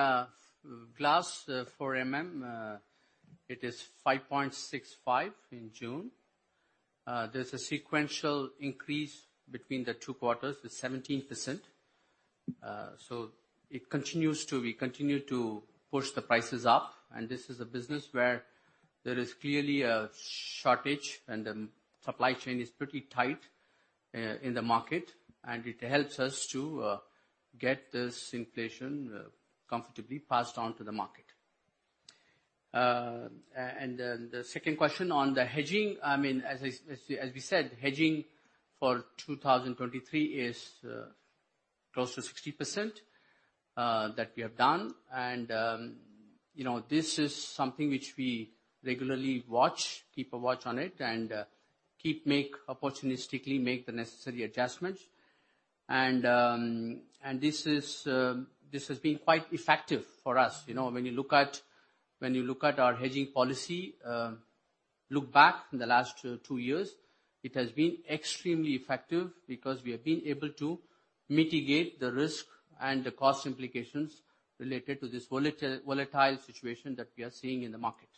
glass for MM, it is 5.65 in June. There's a sequential increase between the two quarters with 17%. We continue to push the prices up, and this is a business where there is clearly a shortage, and the supply chain is pretty tight in the market, and it helps us to get this inflation comfortably passed on to the market. The second question on the hedging, I mean, as we said, hedging for 2023 is close to 60% that we have done. You know, this is something which we regularly watch, keep a watch on it and opportunistically make the necessary adjustments. This has been quite effective for us. You know, when you look at our hedging policy, look back in the last two years, it has been extremely effective because we have been able to mitigate the risk and the cost implications related to this volatile situation that we are seeing in the market.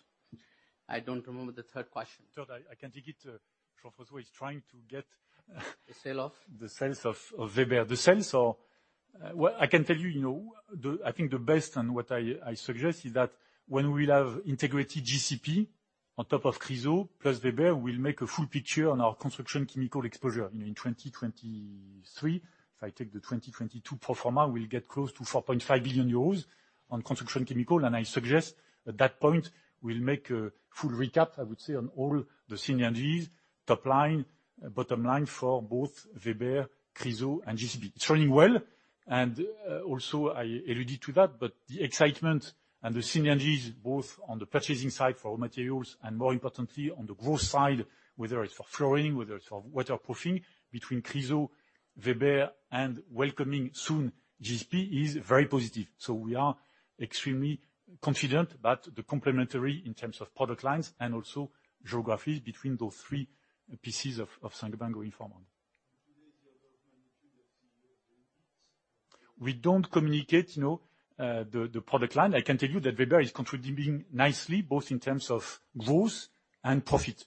I don't remember the third question. Third, I can take it. Jean-François is trying to get- The sell-off. The sales of Weber. The sales are. Well, I can tell you know, I think the best and what I suggest is that when we have integrated GCP on top of Chryso plus Weber, we'll make a full picture on our construction chemical exposure. You know, in 2023, if I take the 2022 pro forma, we'll get close to 4.5 billion euros on construction chemical, and I suggest at that point we'll make a full recap, I would say on all the synergies, top line, bottom line for both Weber, Chryso and GCP. It's running well, and also I alluded to that, but the excitement and the synergies both on the purchasing side for raw materials and more importantly on the growth side, whether it's for flooring, whether it's for waterproofing, between Chryso, Weber and welcoming soon GCP is very positive. We are extremely confident that the complementarity in terms of product lines and also geographies between those three pieces of Saint-Gobain going forward. We don't communicate, you know, the product line. I can tell you that Weber is contributing nicely, both in terms of growth and profit.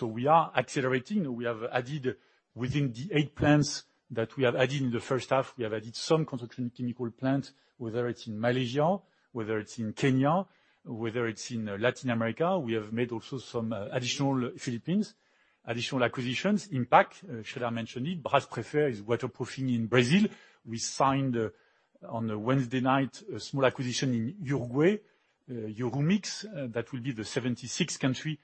We are accelerating. We have added within the eight plants that we have added in the H1, we have added some construction chemicals plant, whether it's in Malaysia, whether it's in Kenya, whether it's in Latin America. We have made also some additional acquisitions in the Philippines, IMPAC, should I mention it. Brasprefer is waterproofing in Brazil. We signed on Wednesday night a small acquisition in Uruguay, Urumix. That will be the 76th country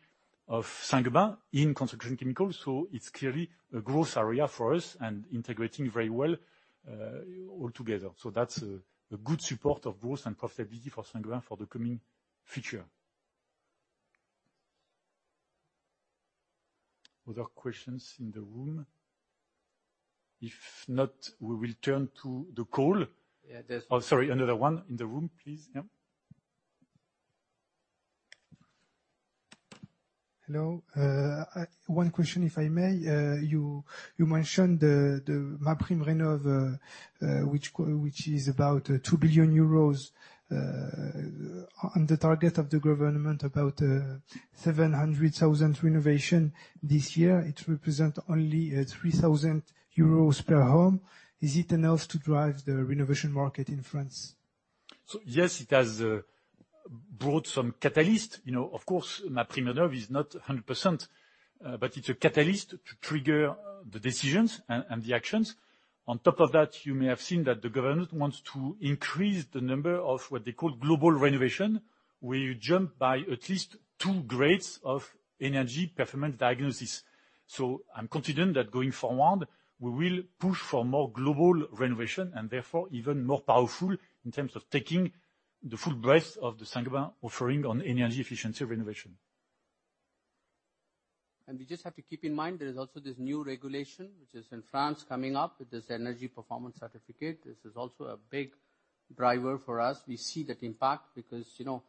of Saint-Gobain in construction chemicals. It's clearly a growth area for us and integrating very well all together. That's a good support of growth and profitability for Saint-Gobain for the coming future. Other questions in the room? If not, we will turn to the call. Yeah. Oh, sorry, another one in the room, please. Yeah. Hello. One question, if I may. You mentioned the MaPrimeRénov', which is about 2 billion euros on the target of the government, about 700,000 renovation this year. It represent only 3,000 euros per home. Is it enough to drive the renovation market in France? Yes, it has brought some catalyst. You know, of course, MaPrimeRénov' is not 100%, but it's a catalyst to trigger the decisions and the actions. On top of that, you may have seen that the government wants to increase the number of what they call global renovation, where you jump by at least two grades of energy performance diagnosis. I'm confident that going forward, we will push for more global renovation and therefore even more powerful in terms of taking the full breadth of the Saint-Gobain offering on energy efficiency renovation. We just have to keep in mind there is also this new regulation, which is in France coming up with this Energy Performance Certificate. This is also a big driver for us. We see that impact because, you know,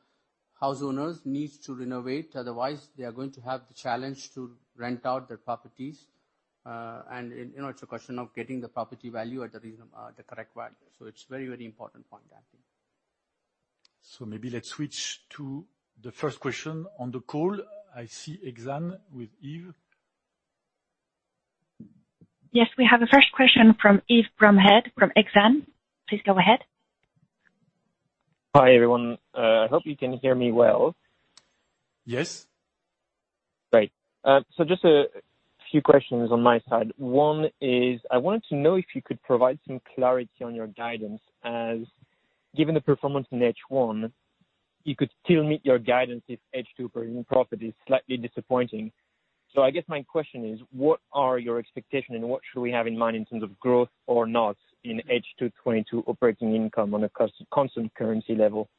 house owners needs to renovate, otherwise they are going to have the challenge to rent out their properties. You know, it's a question of getting the property value at the correct value. It's very, very important point, I think. Maybe let's switch to the first question on the call. I see Exane with Yves. Yes, we have a first question from Yves Bromehead from Exane. Please go ahead. Hi, everyone. Hope you can hear me well. Yes. Great. Just a few questions on my side. One is, I wanted to know if you could provide some clarity on your guidance as given the performance in H1, you could still meet your guidance if H2 operating profit is slightly disappointing. I guess my question is, what are your expectations and what should we have in mind in terms of growth or not in H2 2022 operating income on a constant currency level?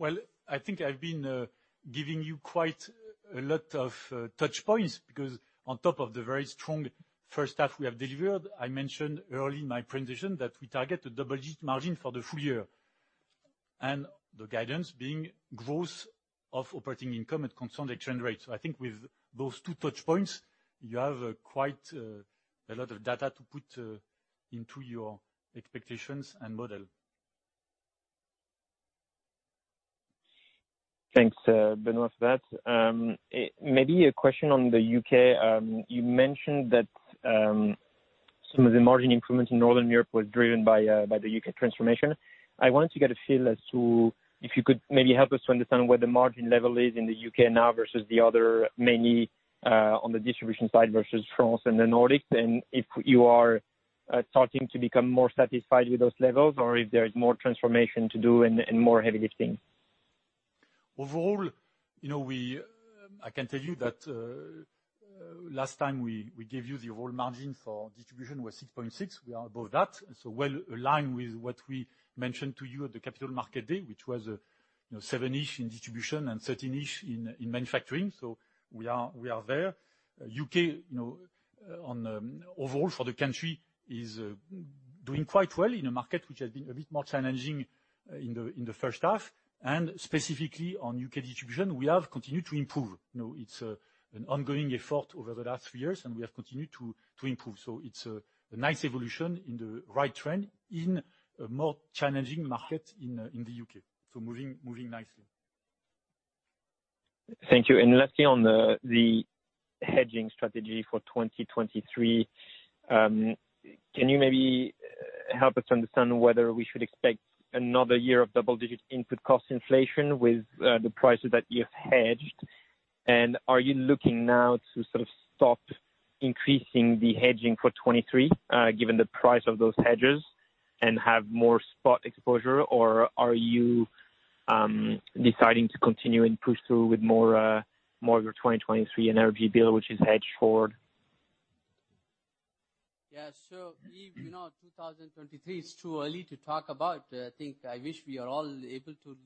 Well, I think I've been giving you quite a lot of touch points, because on top of the very strong H1 we have delivered, I mentioned early in my presentation that we target a double-digit margin for the full year. The guidance being growth of operating income at constant exchange rates. I think with those two touch points, you have quite a lot of data to put into your expectations and model. Thanks, Benoit, for that. Maybe a question on the U.K. You mentioned that some of the margin improvements in Northern Europe was driven by the U.K. transformation. I wanted to get a feel as to if you could maybe help us to understand where the margin level is in the U.K. Now versus Germany on the distribution side versus France and the Nordics, and if you are starting to become more satisfied with those levels or if there is more transformation to do and more heavy lifting. Overall, I can tell you that last time we gave you the overall margin for distribution was 6.6%. We are above that. Well aligned with what we mentioned to you at the Capital Markets Day, which was 7-ish% in distribution and 13-ish% in manufacturing. We are there. U.K. overall for the country is doing quite well in a market which has been a bit more challenging. In the H1, and specifically on U.K .distribution, we have continued to improve. It's an ongoing effort over the last three years, and we have continued to improve. It's a nice evolution in the right trend in a more challenging market in the U.K. Moving nicely. Thank you. Lastly, on the hedging strategy for 2023, can you maybe help us understand whether we should expect another year of double-digit input cost inflation with the prices that you've hedged? Are you looking now to sort of stop increasing the hedging for 2023, given the price of those hedges and have more spot exposure? Or are you deciding to continue and push through with more of your 2023 energy bill which is hedged forward? Yeah. Yves Bromehead, you know, 2023 is too early to talk about. I think I wish we are all able to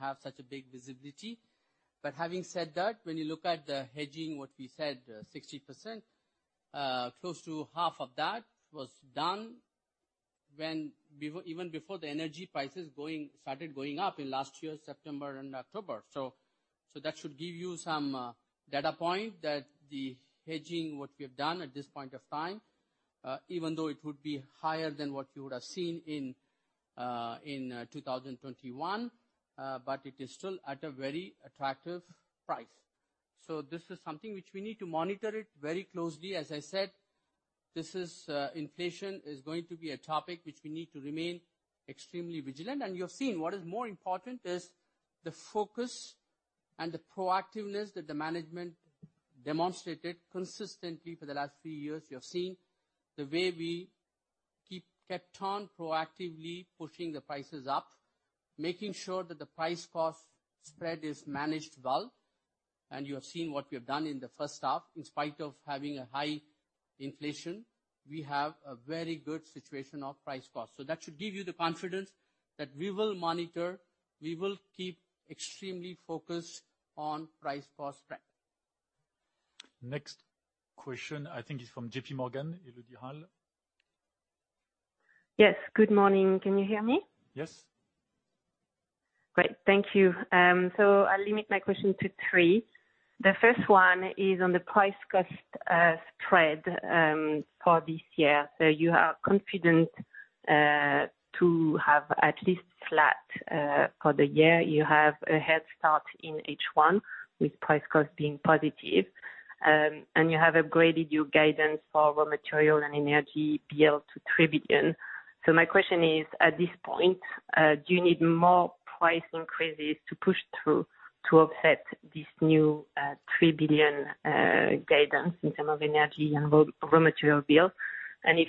have such a big visibility. But having said that, when you look at the hedging, what we said, 60%, close to half of that was done when even before the energy prices started going up in last year, September and October. That should give you some data point that the hedging what we have done at this point of time, even though it would be higher than what you would have seen in 2021, but it is still at a very attractive price. This is something which we need to monitor it very closely. As I said, this is inflation is going to be a topic which we need to remain extremely vigilant. You're seeing what is more important is the focus and the proactiveness that the management demonstrated consistently for the last few years. You have seen the way we kept on proactively pushing the prices up, making sure that the price cost spread is managed well. You have seen what we have done in the H1. In spite of having a high inflation, we have a very good situation of price cost. That should give you the confidence that we will monitor, we will keep extremely focused on price cost trend. Next question, I think is from JPMorgan, Elodie Rall. Yes. Good morning. Can you hear me? Yes. Great. Thank you. I'll limit my question to three. The first one is on the price-cost spread for this year. You are confident to have at least flat for the year. You have a head start in H1 with price-cost being positive. You have upgraded your guidance for raw material and energy bill to 3 billion. My question is, at this point, do you need more price increases to push through to offset this new 3 billion guidance in terms of energy and raw material bill? If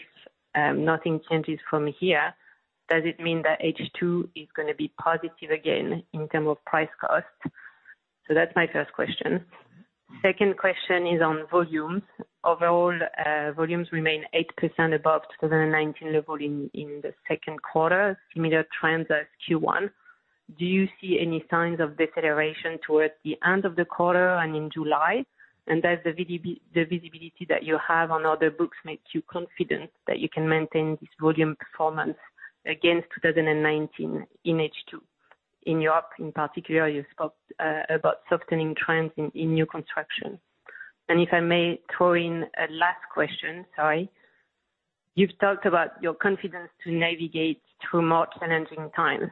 nothing changes from here, does it mean that H2 is gonna be positive again in terms of price-cost? That's my first question. Second question is on volumes. Overall, volumes remain 8% above 2019 levels in the Q2, similar trends as Q1. Do you see any signs of deceleration towards the end of the quarter and in July? Does the visibility that you have on order books make you confident that you can maintain this volume performance against 2019 in H2? In Europe, in particular, you've talked about softening trends in new construction. If I may throw in a last question, sorry. You've talked about your confidence to navigate through more challenging times.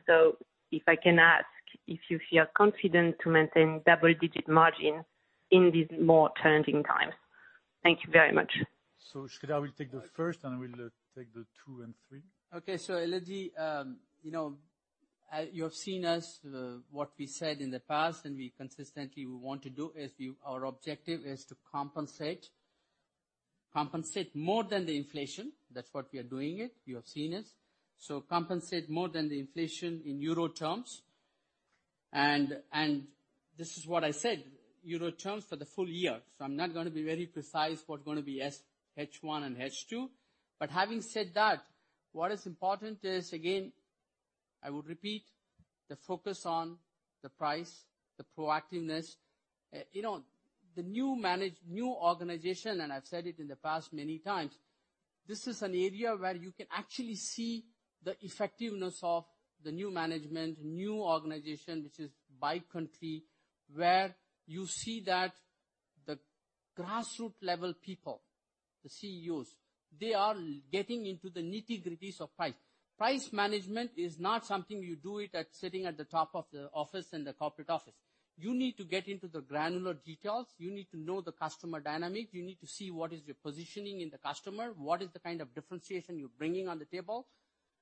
If I can ask if you feel confident to maintain double-digit margin in these more challenging times. Thank you very much. Sreedhar will take the first, and I will take the two and three. Okay. Elodie, you know, you have seen us, what we said in the past, and consistently what we want to do is our objective is to compensate more than the inflation. That's what we are doing it. You have seen us. Compensate more than the inflation in euro terms. This is what I said, euro terms for the full year. I'm not gonna be very precise what gonna be H1 and H2. But having said that, what is important is, again, I would repeat the focus on the price, the proactiveness. You know, the new organization, I've said it in the past many times, this is an area where you can actually see the effectiveness of the new management, new organization, which is by country, where you see that the grassroots level people, the CEOs, they are getting into the nitty-gritties of price. Price management is not something you do sitting at the top of the office, in the corporate office. You need to get into the granular details. You need to know the customer dynamic. You need to see what is your positioning in the customer, what is the kind of differentiation you're bringing on the table.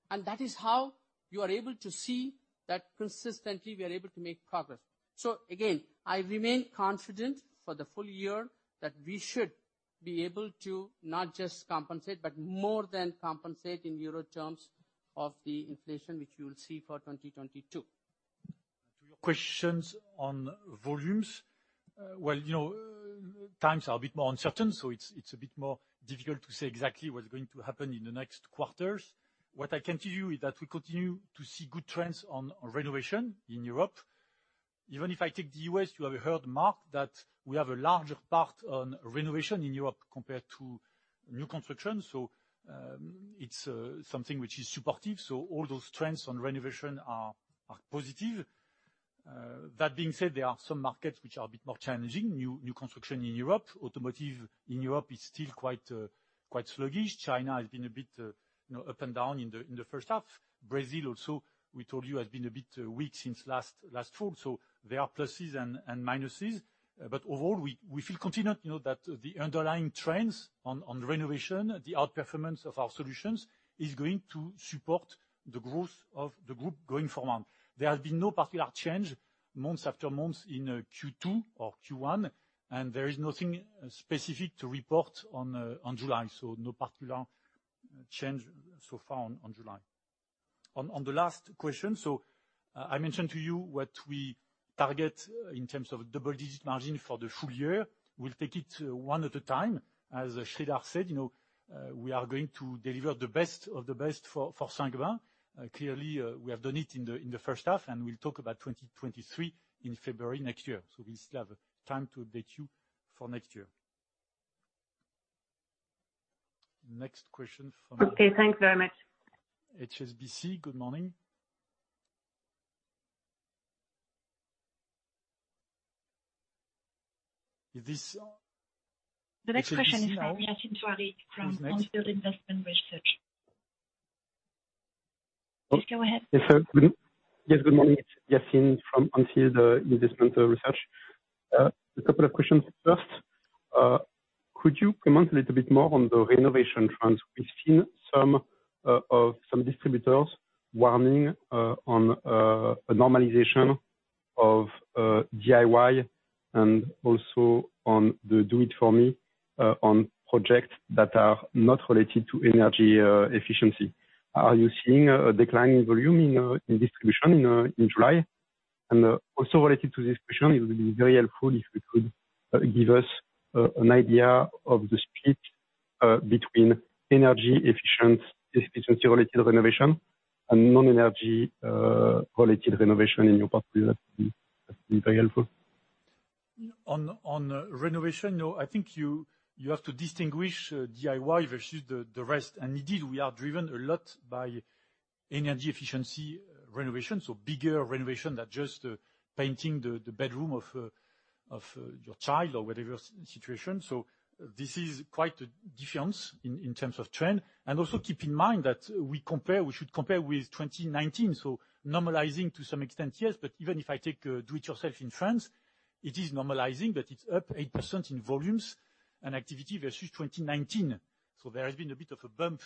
That is how you are able to see that consistently we are able to make progress. Again, I remain confident for the full year that we should be able to not just compensate, but more than compensate in euro terms of the inflation, which you'll see for 2022. To your questions on volumes, you know, times are a bit more uncertain, so it's a bit more difficult to say exactly what's going to happen in the next quarters. What I can tell you is that we continue to see good trends on renovation in Europe. Even if I take the U.S., you have heard Mark, that we have a larger part on renovation in Europe compared to new construction. It's something which is supportive. All those trends on renovation are positive. That being said, there are some markets which are a bit more challenging. New construction in Europe, automotive in Europe is still quite sluggish. China has been a bit, you know, up and down in the H1. Brazil, also, we told you, has been a bit weak since last fall. There are pluses and minuses. Overall, we feel confident, you know, that the underlying trends on renovation, the outperformance of our solutions is going to support the growth of the group going forward. There has been no particular change month after month in Q2 or Q1, and there is nothing specific to report on July. No particular change so far on July. On the last question, I mentioned to you what we target in terms of double-digit margin for the full year. We'll take it one at a time. As Sreedhar said, you know, we are going to deliver the best of the best for Saint-Gobain. Clearly, we have done it in the H1, and we'll talk about 2023 in February next year, so we still have time to update you for next year. Next question from- Okay, thanks very much. HSBC, good morning. Is this? The next question is from Yassine Touahri from On Field Investment Research. Please go ahead. Yes, sir. Good. Yes, good morning. It's Yassine from On Field Investment Research. A couple of questions. First, could you comment a little bit more on the renovation trends? We've seen some of some distributors warning on a normalization of DIY and also on the do-it-for-me on projects that are not related to energy efficiency. Are you seeing a declining volume in distribution in July? Also related to this question, it would be very helpful if you could give us an idea of the split between energy efficient, energy-related renovation and non-energy related renovation in your portfolio. That'd be very helpful. I think you have to distinguish DIY versus the rest. Indeed, we are driven a lot by energy efficiency renovation, so bigger renovation than just painting the bedroom of your child or whatever situation. This is quite a difference in terms of trend. Also keep in mind that we should compare with 2019, so normalizing to some extent, yes. Even if I take do it yourself in France, it is normalizing that it's up 8% in volumes and activity versus 2019. There has been a bit of a bump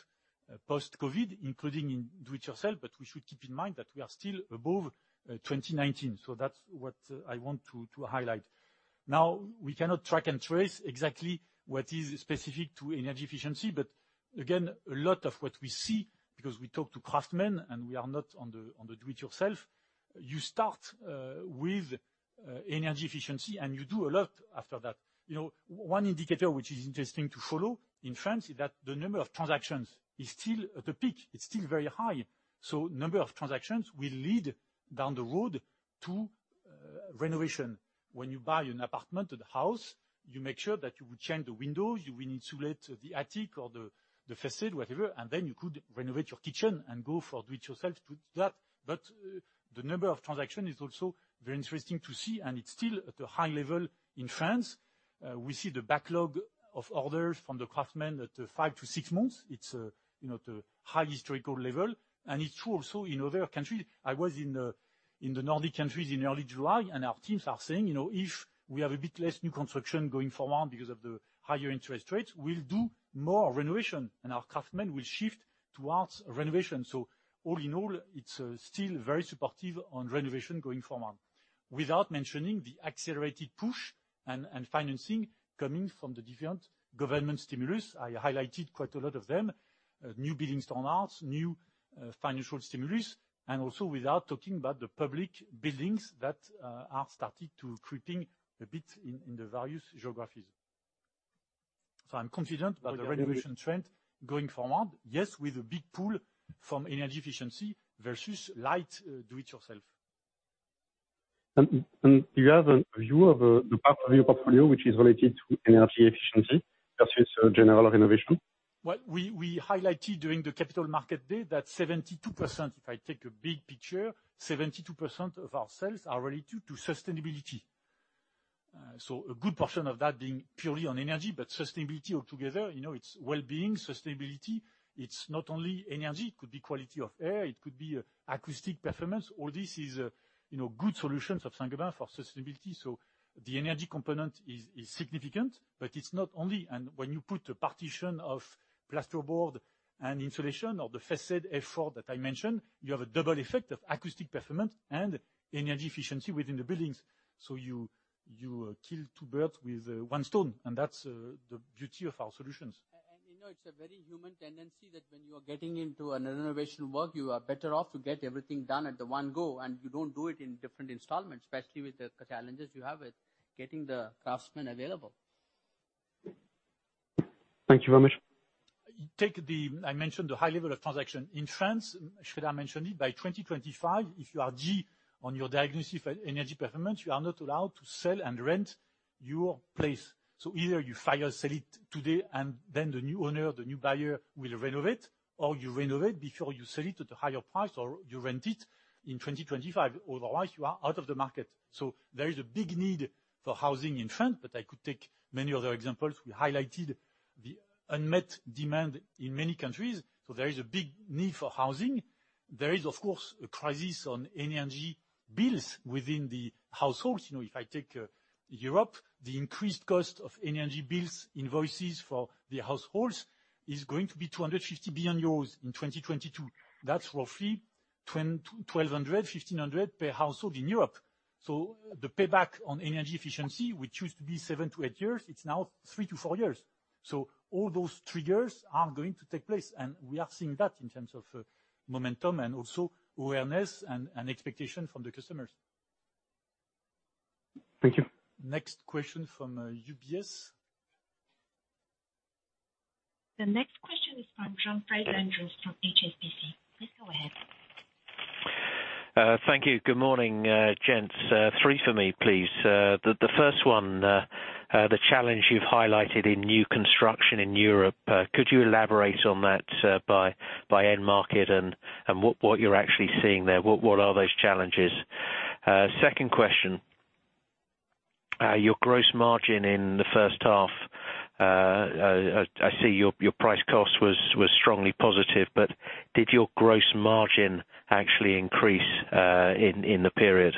post-COVID, including in do it yourself, but we should keep in mind that we are still above 2019. That's what I want to highlight. Now, we cannot track and trace exactly what is specific to energy efficiency, but again, a lot of what we see, because we talk to craftsmen and we are not on the do it yourself. You start with energy efficiency and you do a lot after that. You know, one indicator which is interesting to follow in France is that the number of transactions is still at the peak. It's still very high. Number of transactions will lead down the road to renovation. When you buy an apartment or house, you make sure that you would change the windows, you will insulate the attic or the facade, whatever, and then you could renovate your kitchen and go for do it yourself to that. The number of transaction is also very interesting to see, and it's still at a high level in France. We see the backlog of orders from the craftsmen at five-six months. It's, you know, at a high historical level. It's true also in other countries. I was in the Nordic countries in early July, and our teams are saying, "You know, if we have a bit less new construction going forward because of the higher interest rates, we'll do more renovation, and our craftsmen will shift towards renovation." All in all, it's still very supportive on renovation going forward. Without mentioning the accelerated push and financing coming from the different government stimulus, I highlighted quite a lot of them. New building standards, new financial stimulus, and also without talking about the public buildings that are starting to creeping a bit in the various geographies. I'm confident about the renovation trend going forward. Yes, with a big pull from energy efficiency versus light, do it yourself. Do you have a view of the part of your portfolio which is related to energy efficiency versus general renovation? We highlighted during the Capital Markets Day that 72%, if I take a big picture, 72% of our sales are related to sustainability. So a good portion of that being purely on energy, but sustainability altogether, you know, it's well-being. Sustainability, it's not only energy. It could be quality of air, it could be acoustic performance. All this is, you know, good solutions of Saint-Gobain for sustainability. The energy component is significant, but it's not only. When you put a partition of plasterboard and insulation or the Façade F4 that I mentioned, you have a double effect of acoustic performance and energy efficiency within the buildings. You kill two birds with one stone, and that's the beauty of our solutions. You know, it's a very human tendency that when you are getting into a renovation work, you are better off to get everything done in one go, and you don't do it in different installments, especially with the challenges you have with getting the craftsmen available. Thank you very much. I mentioned the high level of transactions in France. Should I mention it, by 2025, if you are due on your diagnostic energy performance, you are not allowed to sell and rent your place. Either you fire sale it today, and then the new owner, the new buyer will renovate, or you renovate before you sell it at a higher price, or you rent it in 2025. Otherwise, you are out of the market. There is a big need for housing in France, but I could take many other examples. We highlighted the unmet demand in many countries, so there is a big need for housing. There is, of course, a crisis on energy bills within the households. You know, if I take Europe, the increased cost of energy bills, invoices for the households is going to be 250 billion euros in 2022. That's roughly 1,200- 1,500 per household in Europe. The payback on energy efficiency, which used to be seven-eight years, it's now three-four years. All those triggers are going to take place, and we are seeing that in terms of momentum and also awareness and expectation from the customers. Thank you. Next question from UBS. The next question is from John Fraser-Andrews from HSBC. Please go ahead. Thank you. Good morning, gents. Three for me, please. The first one, the challenge you've highlighted in new construction in Europe, could you elaborate on that by end market and what you're actually seeing there? What are those challenges? Second question, your gross margin in the H1. I see your price cost was strongly positive, but did your gross margin actually increase in the period?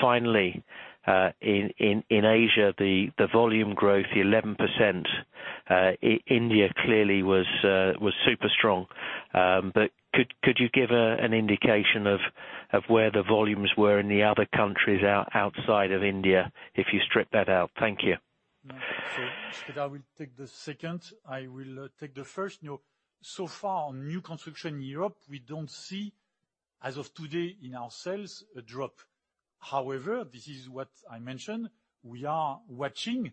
Finally, in Asia, the volume growth, the 11%, India clearly was super strong. Could you give an indication of where the volumes were in the other countries outside of India if you strip that out? Thank you. Because I will take the second, I will take the first. You know, so far, new construction in Europe, we don't see, as of today in our sales, a drop. However, this is what I mentioned. We are watching,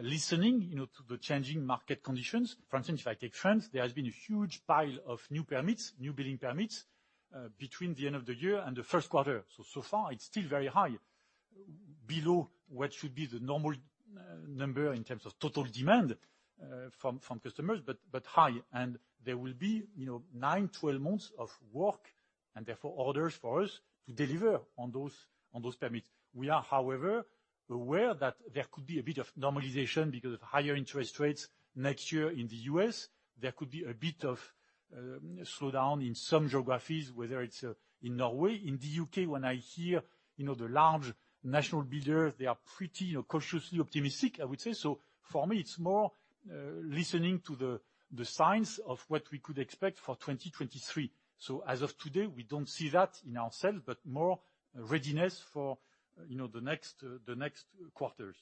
listening, you know, to the changing market conditions. For instance, if I take France, there has been a huge pile of new permits, new building permits, between the end of the year and the Q1. So far, it's still very high, below what should be the normal number in terms of total demand from customers, but high. There will be, you know, nine, 12 months of work, and therefore orders for us to deliver on those permits. We are, however, aware that there could be a bit of normalization because of higher interest rates next year in the U.S. There could be a bit of slowdown in some geographies, whether it's in Norway. In the U.K., when I hear, you know, the large national builders, they are pretty, you know, cautiously optimistic, I would say. For me, it's more listening to the signs of what we could expect for 2023. As of today, we don't see that in our sales, but more readiness for, you know, the next quarters.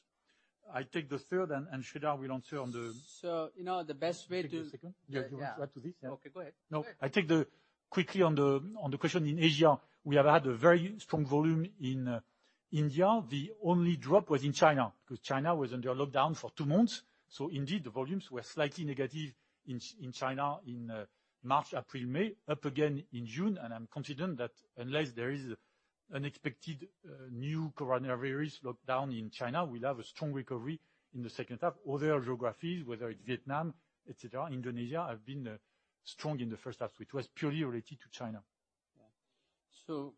I take the third, and Sreedhar will answer on the- You know, the best way to Take the second. Yeah. You want to add to this? Yeah. Okay, go ahead. Quickly on the question in Asia, we have had a very strong volume in India. The only drop was in China because China was under a lockdown for two months. Indeed, the volumes were slightly negative in China in March, April, May. Up again in June. I'm confident that unless there is unexpected new coronavirus lockdown in China, we'll have a strong recovery in the H2. Other geographies, whether it's Vietnam, et cetera, Indonesia, have been strong in the H1, which was purely related to China.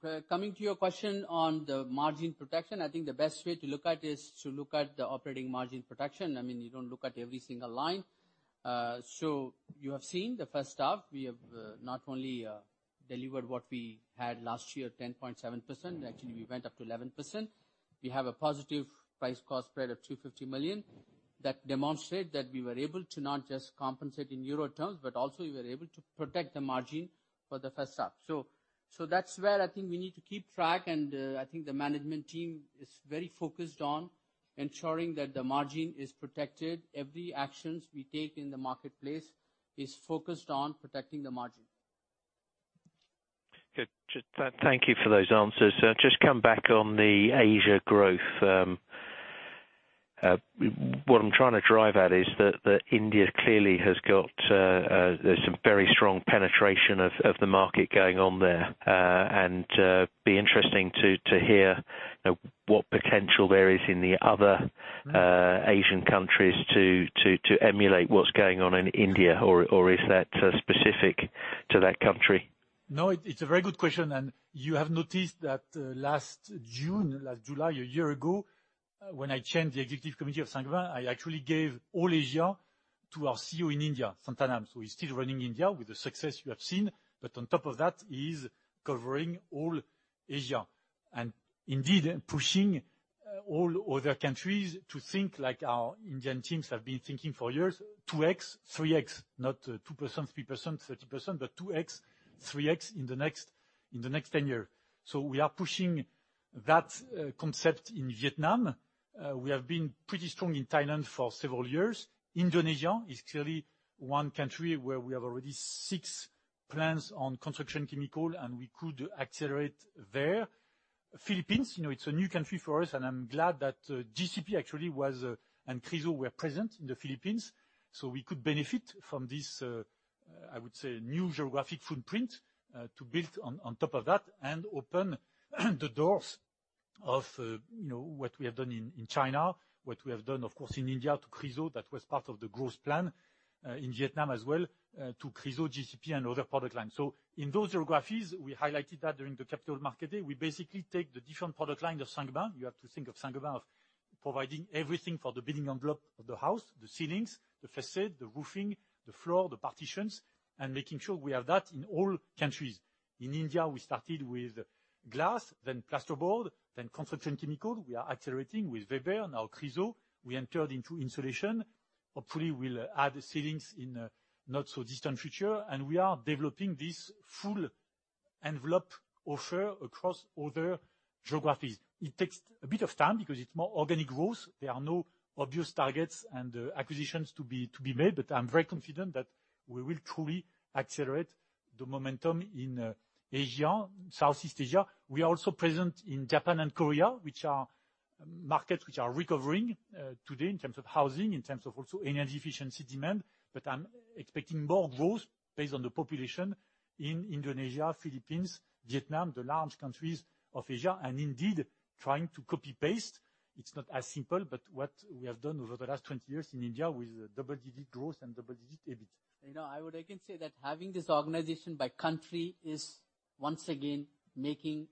Yeah. Coming to your question on the margin protection, I think the best way to look at is to look at the operating margin protection. I mean, you don't look at every single line. You have seen the H1. We have not only delivered what we had last year, 10.7%, actually we went up to 11%. We have a positive price cost spread of 250 million. That demonstrate that we were able to not just compensate in Euro terms, but also we were able to protect the margin for the H1. That's where I think we need to keep track, and I think the management team is very focused on ensuring that the margin is protected. Every actions we take in the marketplace is focused on protecting the margin. Good. Just thank you for those answers. Just come back on the Asia growth. What I'm trying to drive at is that India clearly has got, there's some very strong penetration of the market going on there. Be interesting to hear what potential there is in the other Asian countries to emulate what's going on in India or is that specific to that country? It's a very good question. You have noticed that last June, last July, a year ago, when I changed the executive committee of Saint-Gobain, I actually gave all Asia to our CEO in India, Santhanam. He's still running India with the success you have seen. On top of that, he's covering all Asia. Indeed pushing all other countries to think like our Indian teams have been thinking for years, 2x, 3x. Not 2%, 3%, 30%, but 2x, 3x in the next 10-year. We are pushing that concept in Vietnam. We have been pretty strong in Thailand for several years. Indonesia is clearly one country where we have already six plants in construction chemicals, and we could accelerate there. Philippines, you know, it's a new country for us, and I'm glad that GCP actually was and Chryso were present in the Philippines, so we could benefit from this, I would say new geographic footprint to build on top of that and open the doors of, you know, what we have done in China, what we have done, of course, in India to Chryso. That was part of the growth plan in Vietnam as well to Chryso, GCP and other product lines. In those geographies, we highlighted that during the Capital Markets Day. We basically take the different product line of Saint-Gobain. You have to think of Saint-Gobain of providing everything for the building envelope of the house, the ceilings, the facade, the roofing, the floor, the partitions, and making sure we have that in all countries. In India, we started with glass, then plasterboard, then construction chemical. We are accelerating with Weber, now Chryso. We entered into insulation. Hopefully, we'll add ceilings in a not so distant future, and we are developing this full envelope offer across other geographies. It takes a bit of time because it's more organic growth. There are no obvious targets and acquisitions to be made, but I'm very confident that we will truly accelerate the momentum in Asia, Southeast Asia. We are also present in Japan and Korea, which are markets which are recovering today in terms of housing, in terms of also energy efficiency demand. I'm expecting more growth based on the population in Indonesia, Philippines, Vietnam, the large countries of Asia, and indeed trying to copy-paste. It's not as simple, but what we have done over the last 20 years in India with double-digit growth and double-digit EBIT. You know, I would again say that having this organization by country is once again making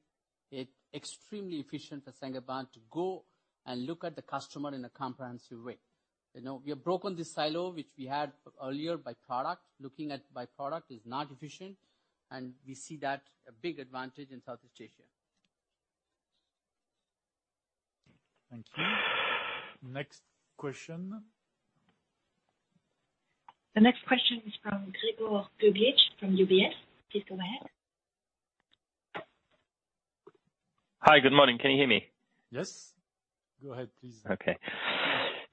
it extremely efficient for Saint-Gobain to go and look at the customer in a comprehensive way. You know, we have broken this silo, which we had earlier by product. Looking at by product is not efficient, and we see that a big advantage in Southeast Asia. Thank you. Next question. The next question is from Gregor Kuglitsch from UBS. Please go ahead. Hi, good morning. Can you hear me? Yes, go ahead please.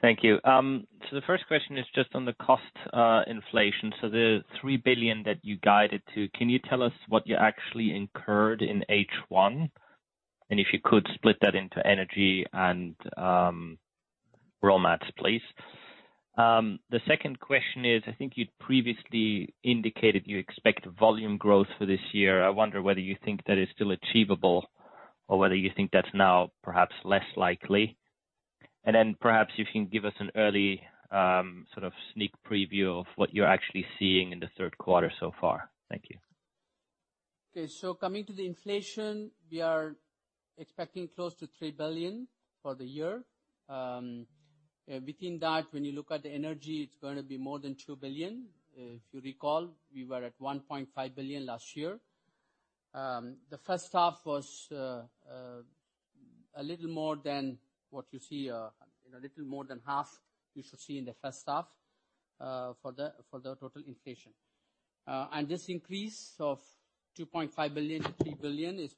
Thank you. The first question is just on the cost inflation. The 3 billion that you guided to, can you tell us what you actually incurred in H1? And if you could, split that into energy and raw materials, please. The second question is, I think you previously indicated you expect volume growth for this year. I wonder whether you think that is still achievable or whether you think that's now perhaps less likely. And then perhaps you can give us an early sort of sneak preview of what you're actually seeing in the third quarter so far. Thank you. Okay. Coming to the inflation, we are expecting close to 3 billion for the year. Within that, when you look at the energy, it's gonna be more than 2 billion. If you recall, we were at 1.5 billion last year. The H1 was a little more than what you see, you know, a little more than half you should see in the H1 for the total inflation. This increase of 2.5 billion to 3 billion is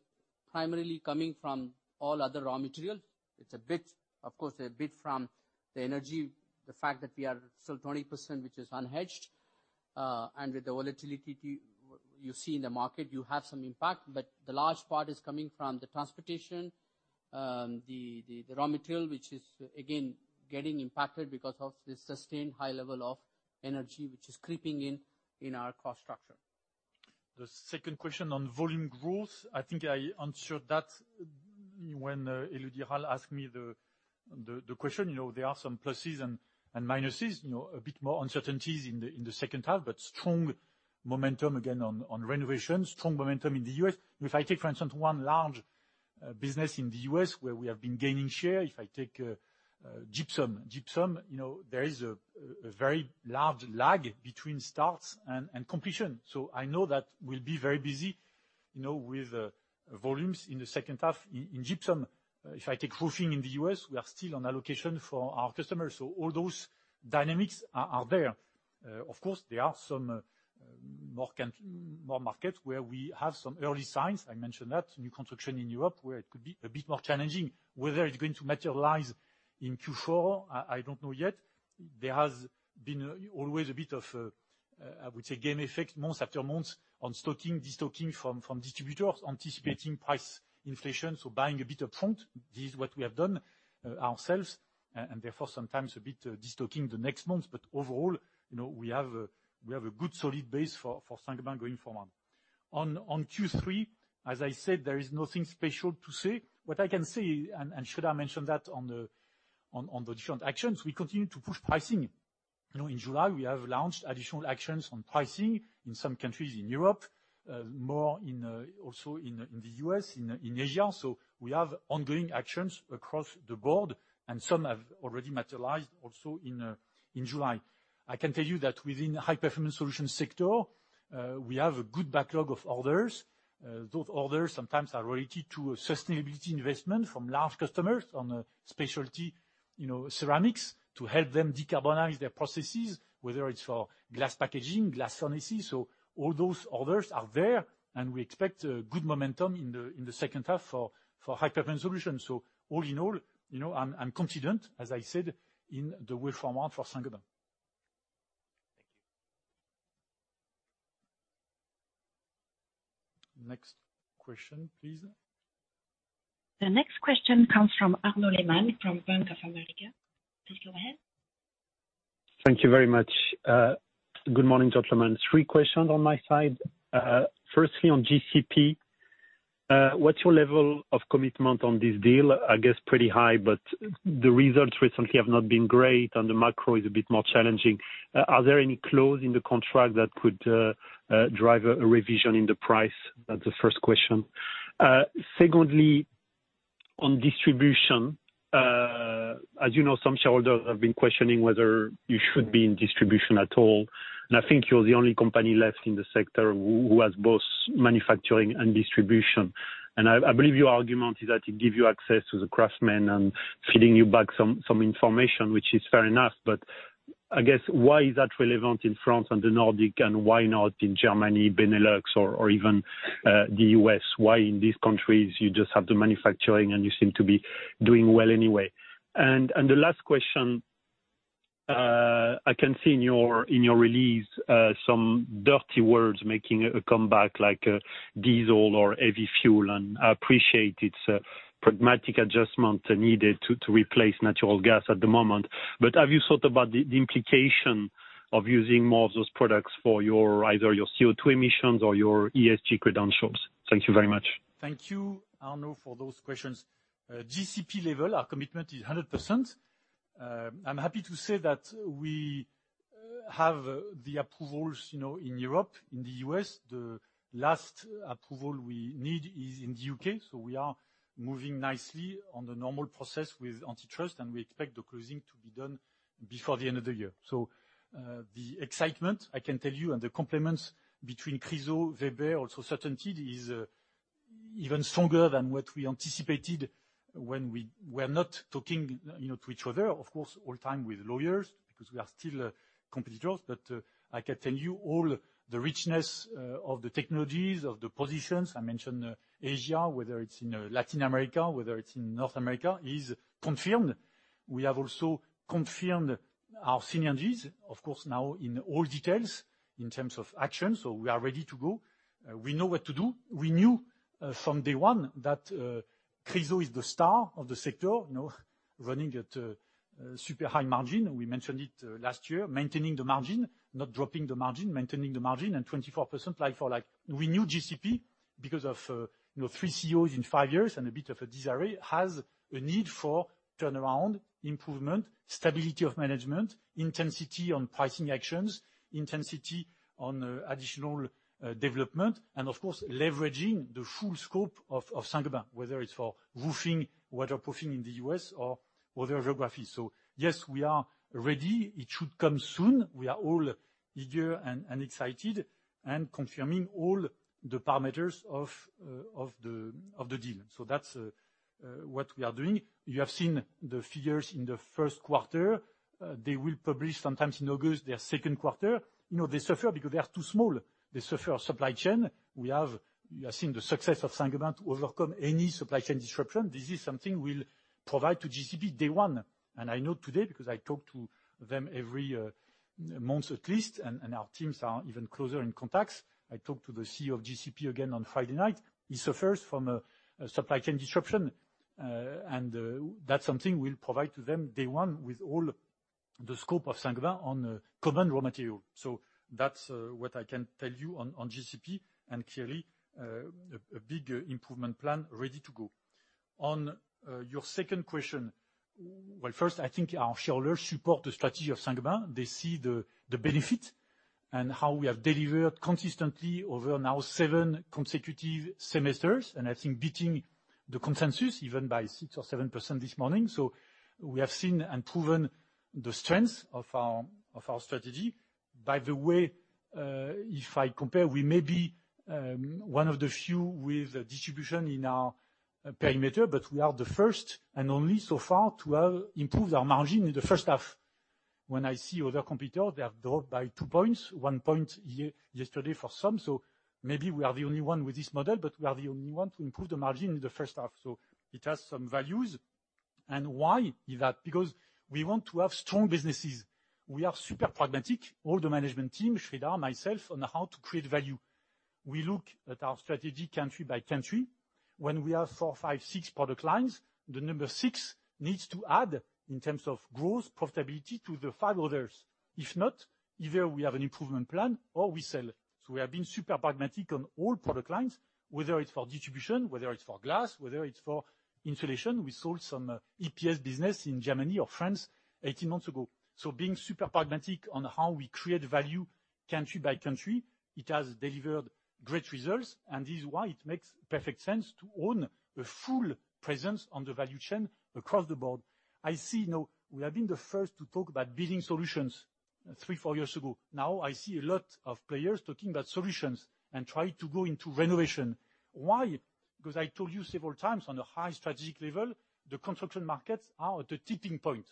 primarily coming from all other raw material. It's a bit, of course, a bit from the energy, the fact that we are still 20%, which is unhedged, and with the volatility you see in the market, you have some impact. The large part is coming from the transportation, the raw material, which is again getting impacted because of the sustained high level of energy which is creeping in our cost structure. The second question on volume growth, I think I answered that when Elodie Rall asked me the question. You know, there are some pluses and minuses, you know, a bit more uncertainties in the H2, but strong momentum again on renovations, strong momentum in the U.S. If I take, for instance, one large business in the US where we have been gaining share, if I take gypsum. Gypsum, you know, there is a very large lag between starts and completion. So I know that we'll be very busy, you know, with volumes in the H2 in gypsum. If I take roofing in the US, we are still on allocation for our customers. So all those dynamics are there. Of course, there are some more markets where we have some early signs. I mentioned that new construction in Europe, where it could be a bit more challenging. Whether it's going to materialize in Q4, I don't know yet. There has been always a bit of, I would say, game effect month after month on stocking, de-stocking from distributors anticipating price inflation, so buying a bit upfront. This is what we have done, ourselves, and therefore sometimes a bit de-stocking the next month. But overall, you know, we have a good solid base for Saint-Gobain going forward. On Q3, as I said, there is nothing special to say. What I can say, and should I mention that on the different actions, we continue to push pricing. You know, in July, we have launched additional actions on pricing in some countries in Europe, more in also in the US in Asia. We have ongoing actions across the board and some have already materialized also in July. I can tell you that within High Performance Solutions sector, we have a good backlog of orders. Those orders sometimes are related to sustainability investment from large customers on specialty, you know, ceramics to help them decarbonize their processes, whether it's for glass packaging, glass furnaces. All those orders are there, and we expect good momentum in the H2 for High Performance Solutions. All in all, you know, I'm confident, as I said, in the way forward for Saint-Gobain. Next question please. The next question comes from Arnaud Lehmann from Bank of America. Please go ahead. Thank you very much. Good morning, gentlemen. Three questions on my side. Firstly, on GCP, what's your level of commitment on this deal? I guess pretty high, but the results recently have not been great and the macro is a bit more challenging. Are there any clause in the contract that could drive a revision in the price? That's the first question. Secondly, on distribution, as you know, some shareholders have been questioning whether you should be in distribution at all. I think you're the only company left in the sector who has both manufacturing and distribution. I believe your argument is that it gives you access to the craftsmen and feeding you back some information, which is fair enough, but I guess why is that relevant in France and the Nordics, and why not in Germany, Benelux or even the U.S.? Why in these countries you just have the manufacturing and you seem to be doing well anyway? The last question, I can see in your release some dirty words making a comeback like diesel or heavy fuel, and I appreciate it's a pragmatic adjustment needed to replace natural gas at the moment. But have you thought about the implication of using more of those products for your either your CO2 emissions or your ESG credentials? Thank you very much. Thank you, Arnaud, for those questions. GCP level, our commitment is 100%. I'm happy to say that we have the approvals, you know, in Europe, in the U.S. The last approval we need is in the U.K. We are moving nicely on the normal process with antitrust, and we expect the closing to be done before the end of the year. The excitement, I can tell you, and the complements between Chryso, Weber, also CertainTeed is even stronger than what we anticipated when we were not talking, you know, to each other. Of course, all the time with lawyers because we are still competitors. I can tell you all the richness of the technologies, of the positions, I mentioned Asia, whether it's in Latin America, whether it's in North America, is confirmed. We have also confirmed our synergies, of course, now in all details in terms of action, so we are ready to go. We know what to do. We knew from day one that Chryso is the star of the sector, you know, running at a super high margin. We mentioned it last year, maintaining the margin, not dropping the margin, maintaining the margin and 24% like for like. We knew GCP because of you know three CEOs in five years and a bit of a disarray, has a need for turnaround, improvement, stability of management, intensity on pricing actions, intensity on additional development. Of course, leveraging the full scope of Saint-Gobain, whether it's for roofing, waterproofing in the U.S. or other geographies. Yes, we are ready. It should come soon. We are all eager and excited and confirming all the parameters of the deal. That's what we are doing. You have seen the figures in the Q1. They will publish sometime in August their Q2. You know, they suffer because they are too small. They suffer supply chain. You have seen the success of Saint-Gobain to overcome any supply chain disruption. This is something we'll provide to GCP day one. I know today because I talk to them every month at least, and our teams are even closer in contacts. I talked to the CEO of GCP again on Friday night. He suffers from a supply chain disruption, and that's something we'll provide to them day one with all the scope of Saint-Gobain on common raw material. That's what I can tell you on GCP, and clearly a big improvement plan ready to go. On your second question. Well, first, I think our shareholders support the strategy of Saint-Gobain. They see the benefit and how we have delivered consistently over now seven consecutive semesters, and I think beating the consensus even by 6% or 7% this morning. We have seen and proven the strength of our strategy. By the way, if I compare, we may be one of the few with distribution in our perimeter, but we are the first and only so far to have improved our margin in the H1. When I see other competitor, they have dropped by two points, one point yesterday for some. Maybe we are the only one with this model, but we are the only one to improve the margin in the H1. It has some values. Why is that? Because we want to have strong businesses. We are super pragmatic, all the management team, Sreedhar, myself, on how to create value. We look at our strategy country by country. When we have four, five, six product lines, the number six needs to add in terms of growth, profitability to the five others. If not, either we have an improvement plan or we sell. We have been super pragmatic on all product lines, whether it's for distribution, whether it's for glass, whether it's for insulation. We sold some EPS business in Germany or France 18 months ago. Being super pragmatic on how we create value country by country, it has delivered great results, and this is why it makes perfect sense to own a full presence on the value chain across the board. I see now we have been the first to talk about building solutions three, four years ago. Now, I see a lot of players talking about solutions and try to go into renovation. Why? 'Cause I told you several times on a high strategic level, the construction markets are at a tipping point.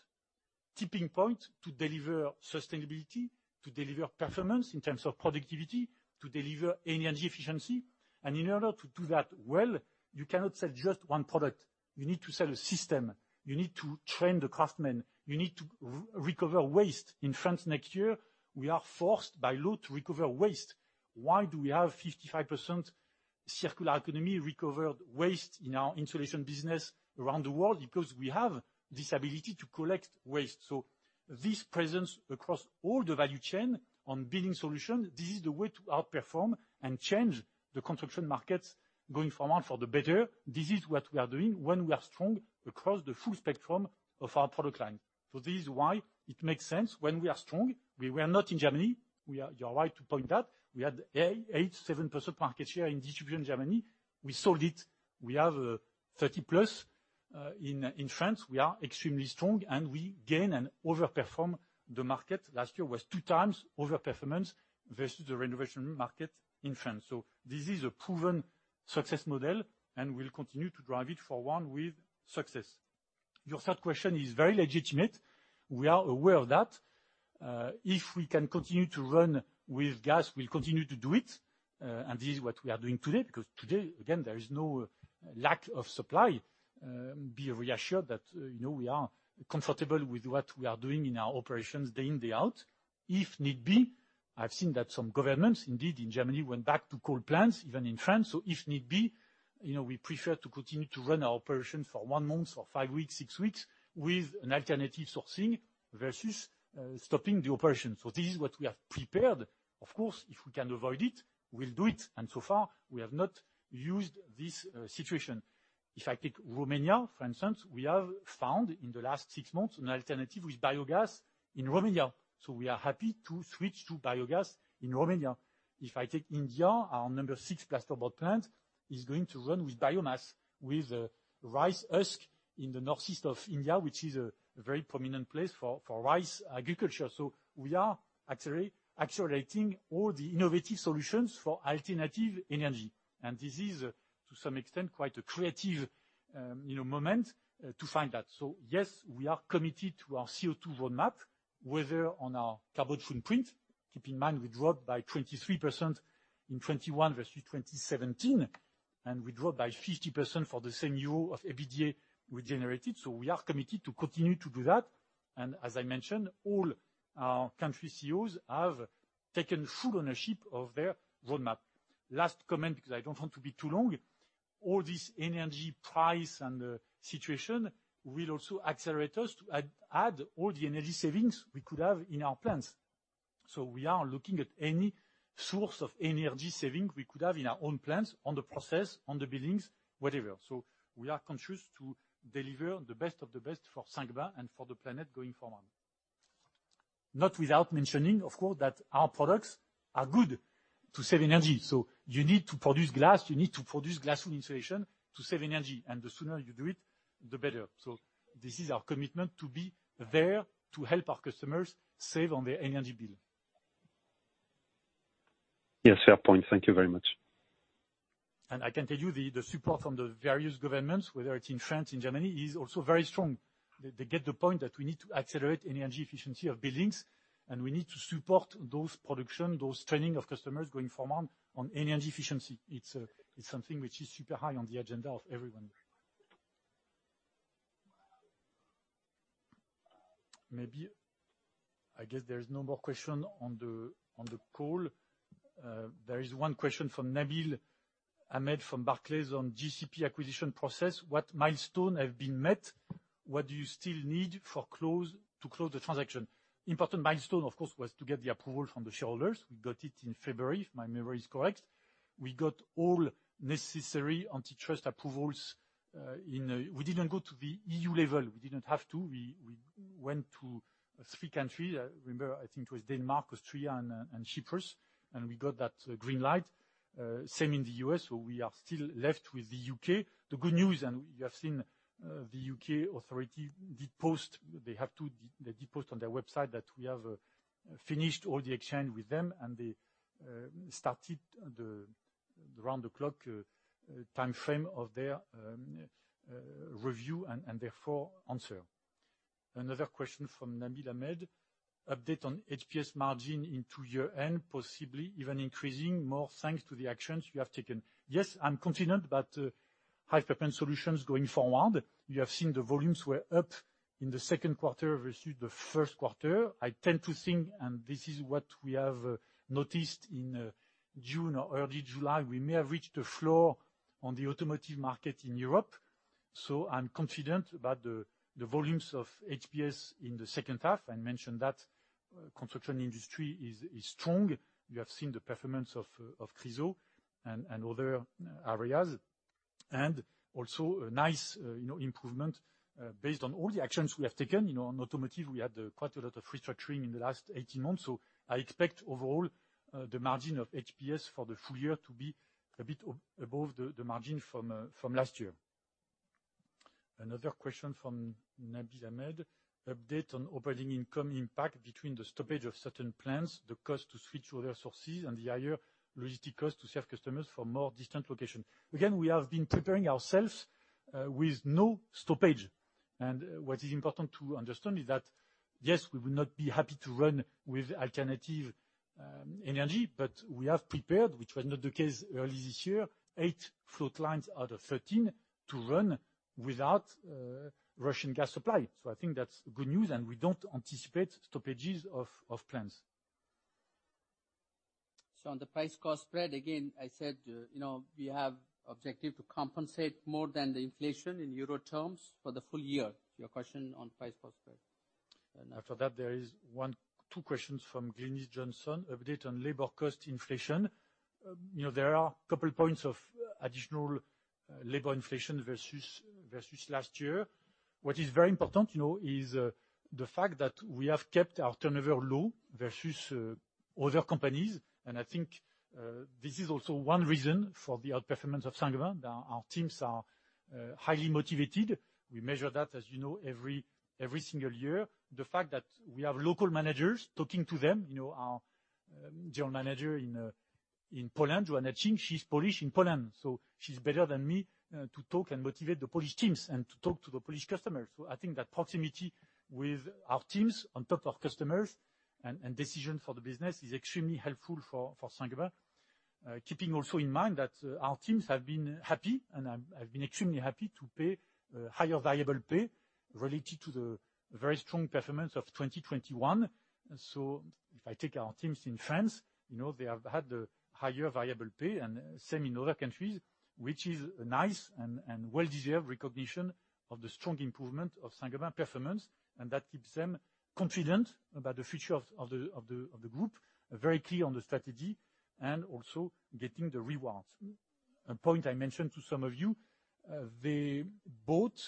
Tipping point to deliver sustainability, to deliver performance in terms of productivity, to deliver energy efficiency. In order to do that well, you cannot sell just one product. You need to sell a system. You need to train the craftsmen, you need to recover waste. In France next year, we are forced by law to recover waste. Why do we have 55% circular economy recovered waste in our insulation business around the world because we have this ability to collect waste. This presence across all the value chain on building solution, this is the way to outperform and change the construction markets going forward for the better. This is what we are doing when we are strong across the full spectrum of our product line. This is why it makes sense when we are strong. We were not in Germany. We are. You are right to point that. We had 8.7% market share in distribution Germany. We sold it. We have 30+ in France. We are extremely strong and we gain and overperform the market. Last year was two times overperformance versus the renovation market in France. This is a proven success model, and we'll continue to drive it for one with success. Your third question is very legitimate. We are aware of that. If we can continue to run with gas, we'll continue to do it, and this is what we are doing today, because today, again, there is no lack of supply. Be reassured that, you know, we are comfortable with what we are doing in our operations day in, day out. If need be, I've seen that some governments, indeed in Germany, went back to coal plants, even in France. If need be, you know, we prefer to continue to run our operation for one month or five weeks, six weeks, with an alternative sourcing versus stopping the operation. This is what we have prepared. Of course, if we can avoid it, we'll do it, and so far, we have not used this situation. If I take Romania, for instance, we have found in the last six months an alternative with biogas in Romania, so we are happy to switch to biogas in Romania. If I take India, our number six plasterboard plant is going to run with biomass, with rice husk in the northeast of India, which is a very prominent place for rice agriculture. We are accelerating all the innovative solutions for alternative energy. This is, to some extent, quite a creative, you know, moment to find that. Yes, we are committed to our CO2 roadmap, whether on our carbon footprint. Keep in mind, we dropped by 23% in 2021 versus 2017, and we dropped by 50% for the same year of EBITDA we generated. We are committed to continue to do that. As I mentioned, all our country CEOs have taken full ownership of their roadmap. Last comment, because I don't want to be too long, all this energy price and situation will also accelerate us to add all the energy savings we could have in our plants. We are looking at any source of energy saving we could have in our own plants, on the process, on the buildings, whatever. We are conscious to deliver the best of the best for Saint-Gobain and for the planet going forward. Not without mentioning, of course, that our products are good to save energy. You need to produce glass, you need to produce glass wool insulation to save energy, and the sooner you do it, the better. This is our commitment to be there to help our customers save on their energy bill. Yes, fair point. Thank you very much. I can tell you the support from the various governments, whether it's in France, in Germany, is also very strong. They get the point that we need to accelerate energy efficiency of buildings, and we need to support those production, those training of customers going forward on energy efficiency. It's something which is super high on the agenda of everyone. I guess there is no more question on the call. There is one question from Nabil Ahmed from Barclays on GCP acquisition process. What milestone have been met? What do you still need to close the transaction? Important milestone, of course, was to get the approval from the shareholders. We got it in February, if my memory is correct. We got all necessary antitrust approvals. We didn't go to the EU level. We didn't have to. We went to three countries. I remember, I think it was Denmark, Austria and Cyprus, and we got that green light. Same in the U.S., so we are still left with the U.K. The good news, you have seen the U.K. authority. They post on their website that we have finished all the exchange with them and they started the round-the-clock timeframe of their review and therefore, answer. Another question from Nabil Ahmed. Update on HPS margin into year-end, possibly even increasing more thanks to the actions you have taken. Yes, I'm confident about High Performance Solutions going forward. You have seen the volumes were up in the Q2 versus the Q1. I tend to think, and this is what we have noticed in June or early July, we may have reached the floor on the automotive market in Europe. I'm confident about the volumes of HPS in the H2. I mentioned that construction industry is strong. You have seen the performance of Chryso and other areas. Also a nice, you know, improvement based on all the actions we have taken. You know, on automotive, we had quite a lot of restructuring in the last 18 months. I expect overall the margin of HPS for the full year to be a bit above the margin from last year. Another question from Nabil Ahmed. Update on operating income impact between the stoppage of certain plants, the cost to switch other sources, and the higher logistic cost to serve customers from more distant location. Again, we have been preparing ourselves with no stoppage. What is important to understand is that, yes, we will not be happy to run with alternative energy, but we have prepared, which was not the case early this year, eight float lines out of 13 to run without Russian gas supply. I think that's good news, and we don't anticipate stoppages of plants. On the price cost spread, again, I said, you know, we have objective to compensate more than the inflation in euro terms for the full year. To your question on price cost spread. After that, there is one, two questions from Glynis Johnson. Update on labor cost inflation. You know, there are a couple points of additional labor inflation versus last year. What is very important, you know, is the fact that we have kept our turnover low versus other companies. I think this is also one reason for the outperformance of Saint-Gobain. Our teams are highly motivated. We measure that, as you know, every single year. The fact that we have local managers talking to them, you know, our general manager in Poland, Joanna Czynsz-Piechowiak, she's Polish in Poland, so she's better than me to talk and motivate the Polish teams and to talk to the Polish customers. I think that proximity with our teams on top of customers and decisions for the business is extremely helpful for Saint-Gobain. Keeping also in mind that our teams have been happy, and I've been extremely happy to pay higher variable pay related to the very strong performance of 2021. If I take our teams in France, you know, they have had higher variable pay and same in other countries, which is nice and well-deserved recognition of the strong improvement of Saint-Gobain performance, and that keeps them confident about the future of the group. Very clear on the strategy and also getting the rewards. A point I mentioned to some of you, they bought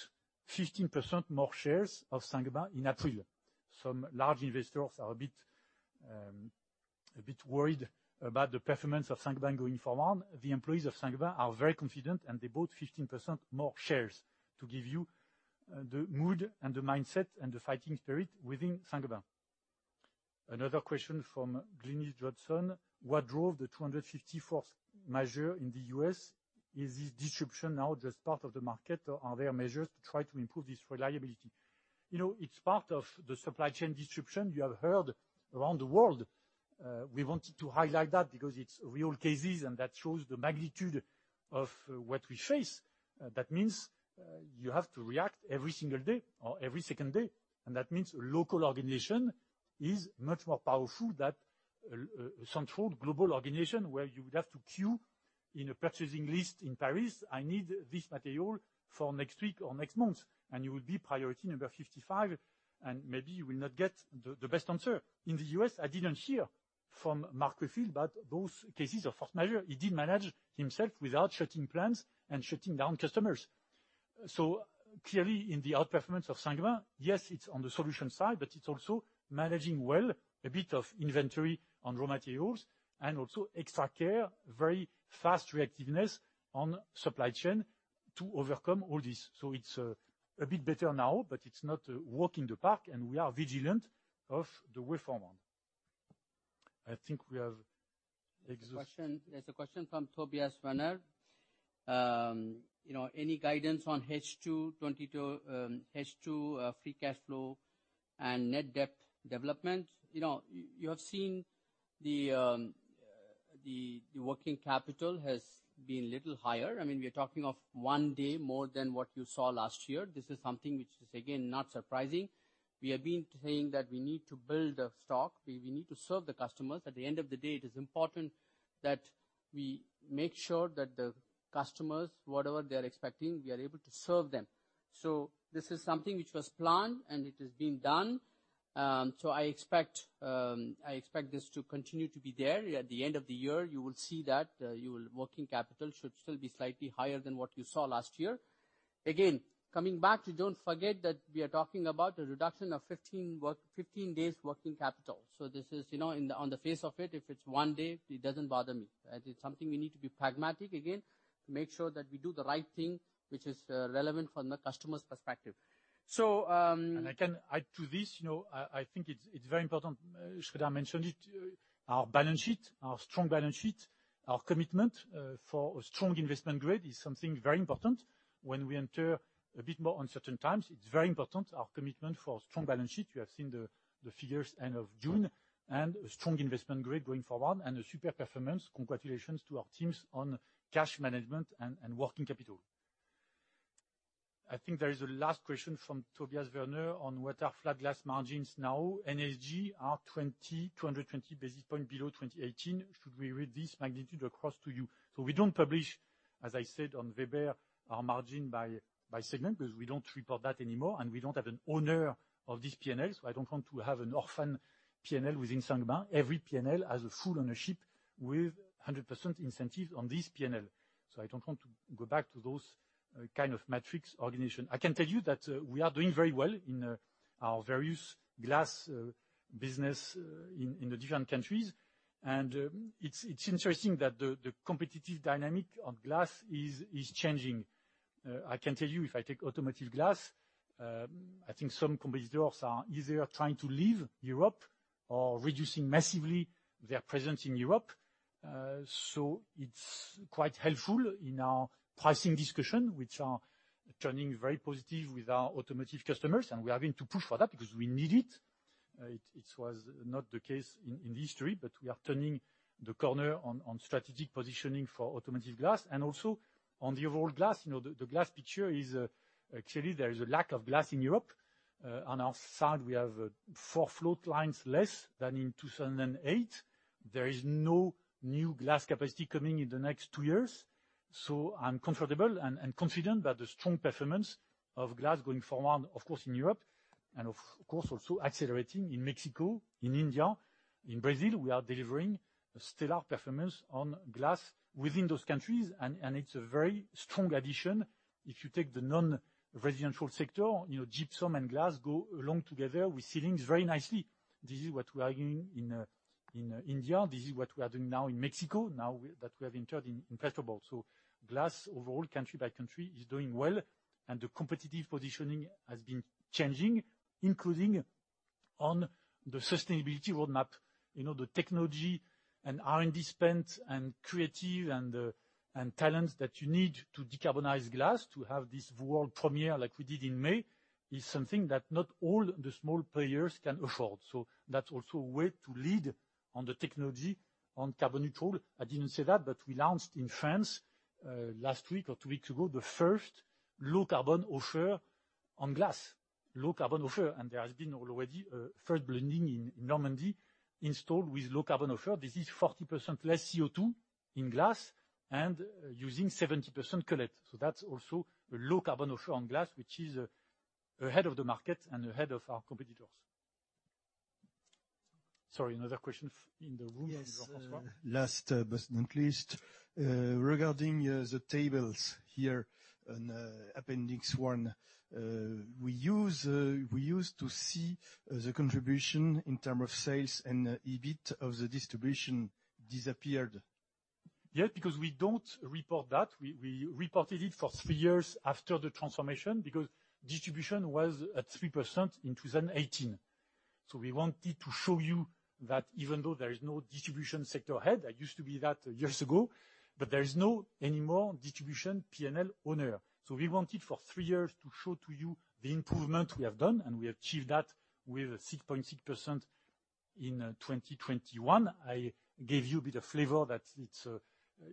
15% more shares of Saint-Gobain in April. Some large investors are a bit worried about the performance of Saint-Gobain going forward. The employees of Saint-Gobain are very confident, and they bought 15% more shares. To give you the mood and the mindset and the fighting spirit within Saint-Gobain. Another question from Glynis Johnson. What drove the 250 force majeure in the U.S.? Is this disruption now just part of the market, or are there measures to try to improve this reliability? You know, it's part of the supply chain disruption you have heard around the world. We wanted to highlight that because it's real cases, and that shows the magnitude of what we face. That means you have to react every single day or every second day, and that means local organization is much more powerful than central global organization where you would have to queue in a purchasing list in Paris. I need this material for next week or next month, and you will be priority number 55, and maybe you will not get the best answer. In the U.S., I didn't hear from Mark Rayfield, but those cases of force majeure, he did manage himself without shutting plants and shutting down customers. Clearly, in the outperformance of Saint-Gobain, yes, it's on the solution side, but it's also managing well a bit of inventory on raw materials and also extra care, very fast reactiveness on supply chain to overcome all this. It's a bit better now, but it's not a walk in the park, and we are vigilant of the way forward. I think we have exhaust- There's a question from Tobias Woerner. You know, any guidance on H2 2022, H2 free cash flow and net debt development? You know, you have seen the working capital has been little higher. I mean, we're talking of one day more than what you saw last year. This is something which is again not surprising. We have been saying that we need to build a stock. We need to serve the customers. At the end of the day, it is important that we make sure that the customers, whatever they're expecting, we are able to serve them. This is something which was planned, and it is being done. I expect this to continue to be there. At the end of the year, you will see that, your working capital should still be slightly higher than what you saw last year. Again, coming back to don't forget that we are talking about a reduction of 15 days working capital. This is, you know, on the face of it, if it's one day, it doesn't bother me. Right? It's something we need to be pragmatic again to make sure that we do the right thing, which is, relevant from the customer's perspective. I can add to this, you know, I think it's very important. Sreedhar mentioned it, our balance sheet, our strong balance sheet, our commitment for a strong investment grade is something very important. When we enter a bit more uncertain times, it's very important our commitment for strong balance sheet. You have seen the figures end of June and a strong investment grade going forward and a super performance. Congratulations to our teams on cash management and working capital. I think there is a last question from Tobias Woerner on what are flat glass margins now. NSG are 220 basis points below 2018. Should we read this magnitude across to you? We don't publish, as I said, on Weber, our margin by segment because we don't report that anymore, and we don't have an owner of this P&L. I don't want to have an orphan P&L within Saint-Gobain. Every P&L has a full ownership with 100% incentive on this P&L. I don't want to go back to those kind of matrix organization. I can tell you that we are doing very well in our various glass business in the different countries. It's interesting that the competitive dynamic on glass is changing. I can tell you if I take automotive glass, I think some competitors are either trying to leave Europe or reducing massively their presence in Europe. It's quite helpful in our pricing discussion, which are turning very positive with our automotive customers, and we are having to push for that because we need it. It was not the case in history, but we are turning the corner on strategic positioning for automotive glass and also on the overall glass. You know, the glass picture is actually there is a lack of glass in Europe. On our side, we have four float lines less than in 2008. There is no new glass capacity coming in the next two years. I'm comfortable and confident about the strong performance of glass going forward, of course, in Europe and of course, also accelerating in Mexico, in India, in Brazil. We are delivering a stellar performance on glass within those countries, and it's a very strong addition. If you take the non-residential sector, you know, gypsum and glass go along together with ceilings very nicely. This is what we are doing in India. This is what we are doing now in Mexico that we have entered in Fevisa. Glass overall, country by country, is doing well, and the competitive positioning has been changing, including on the sustainability roadmap. You know, the technology and R&D spend and creative and talents that you need to decarbonize glass to have this world premiere like we did in May, is something that not all the small players can afford. That's also a way to lead on the technology on carbon neutral. I didn't say that, but we launched in France last week or two weeks ago, the first low carbon offer on glass, low carbon offer. There has been already a first blending in Normandy installed with low carbon offer. This is 40% less CO2 in glass and using 70% cullet. That's also a low carbon offer on glass, which is ahead of the market and ahead of our competitors. Sorry, another question from the room. Yes. Last but not least, regarding the tables here on Appendix 1, we used to see the contribution in terms of sales and EBIT of the distribution disappeared. Because we don't report that. We reported it for three years after the transformation because distribution was at 3% in 2018. We wanted to show you that even though there is no distribution sector head, I used to be that years ago, but there is no more distribution P&L owner. We wanted for three years to show to you the improvement we have done, and we achieved that with 6.6% in 2021. I gave you a bit of flavor that it's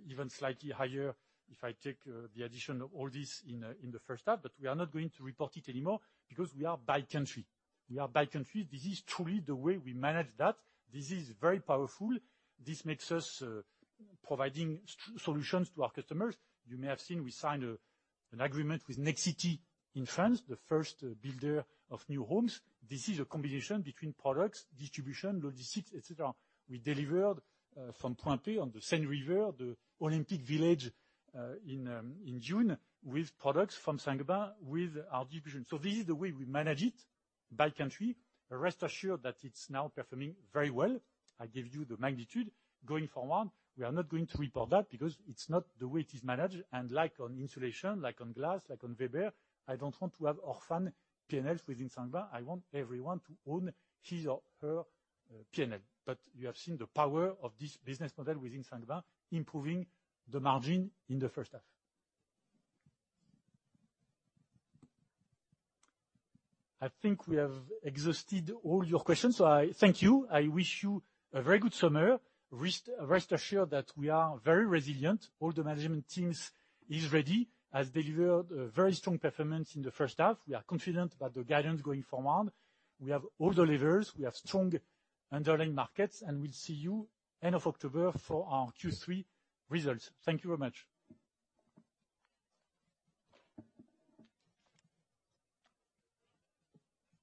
even slightly higher if I take the addition of all this in the H1, but we are not going to report it anymore because we are by country. We are by country. This is truly the way we manage that. This is very powerful. This makes us providing solutions to our customers. You may have seen we signed an agreement with Nexity in France, the first builder of new homes. This is a combination between products, distribution, logistics, et cetera. We delivered from Point.P on the Seine River, the Olympic Village in June with products from Saint-Gobain with our division. This is the way we manage it, by country. Rest assured that it's now performing very well. I gave you the magnitude. Going forward, we are not going to report that because it's not the way it is managed. Like on insulation, like on glass, like on Weber, I don't want to have orphan P&Ls within Saint-Gobain. I want everyone to own his or her P&L. You have seen the power of this business model within Saint-Gobain improving the margin in the H1. I think we have exhausted all your questions, so I thank you. I wish you a very good summer. Rest assured that we are very resilient. All the management teams is ready, has delivered a very strong performance in the H1. We are confident about the guidance going forward. We have all the levers, we have strong underlying markets, and we'll see you end of October for our Q3 results. Thank you very much.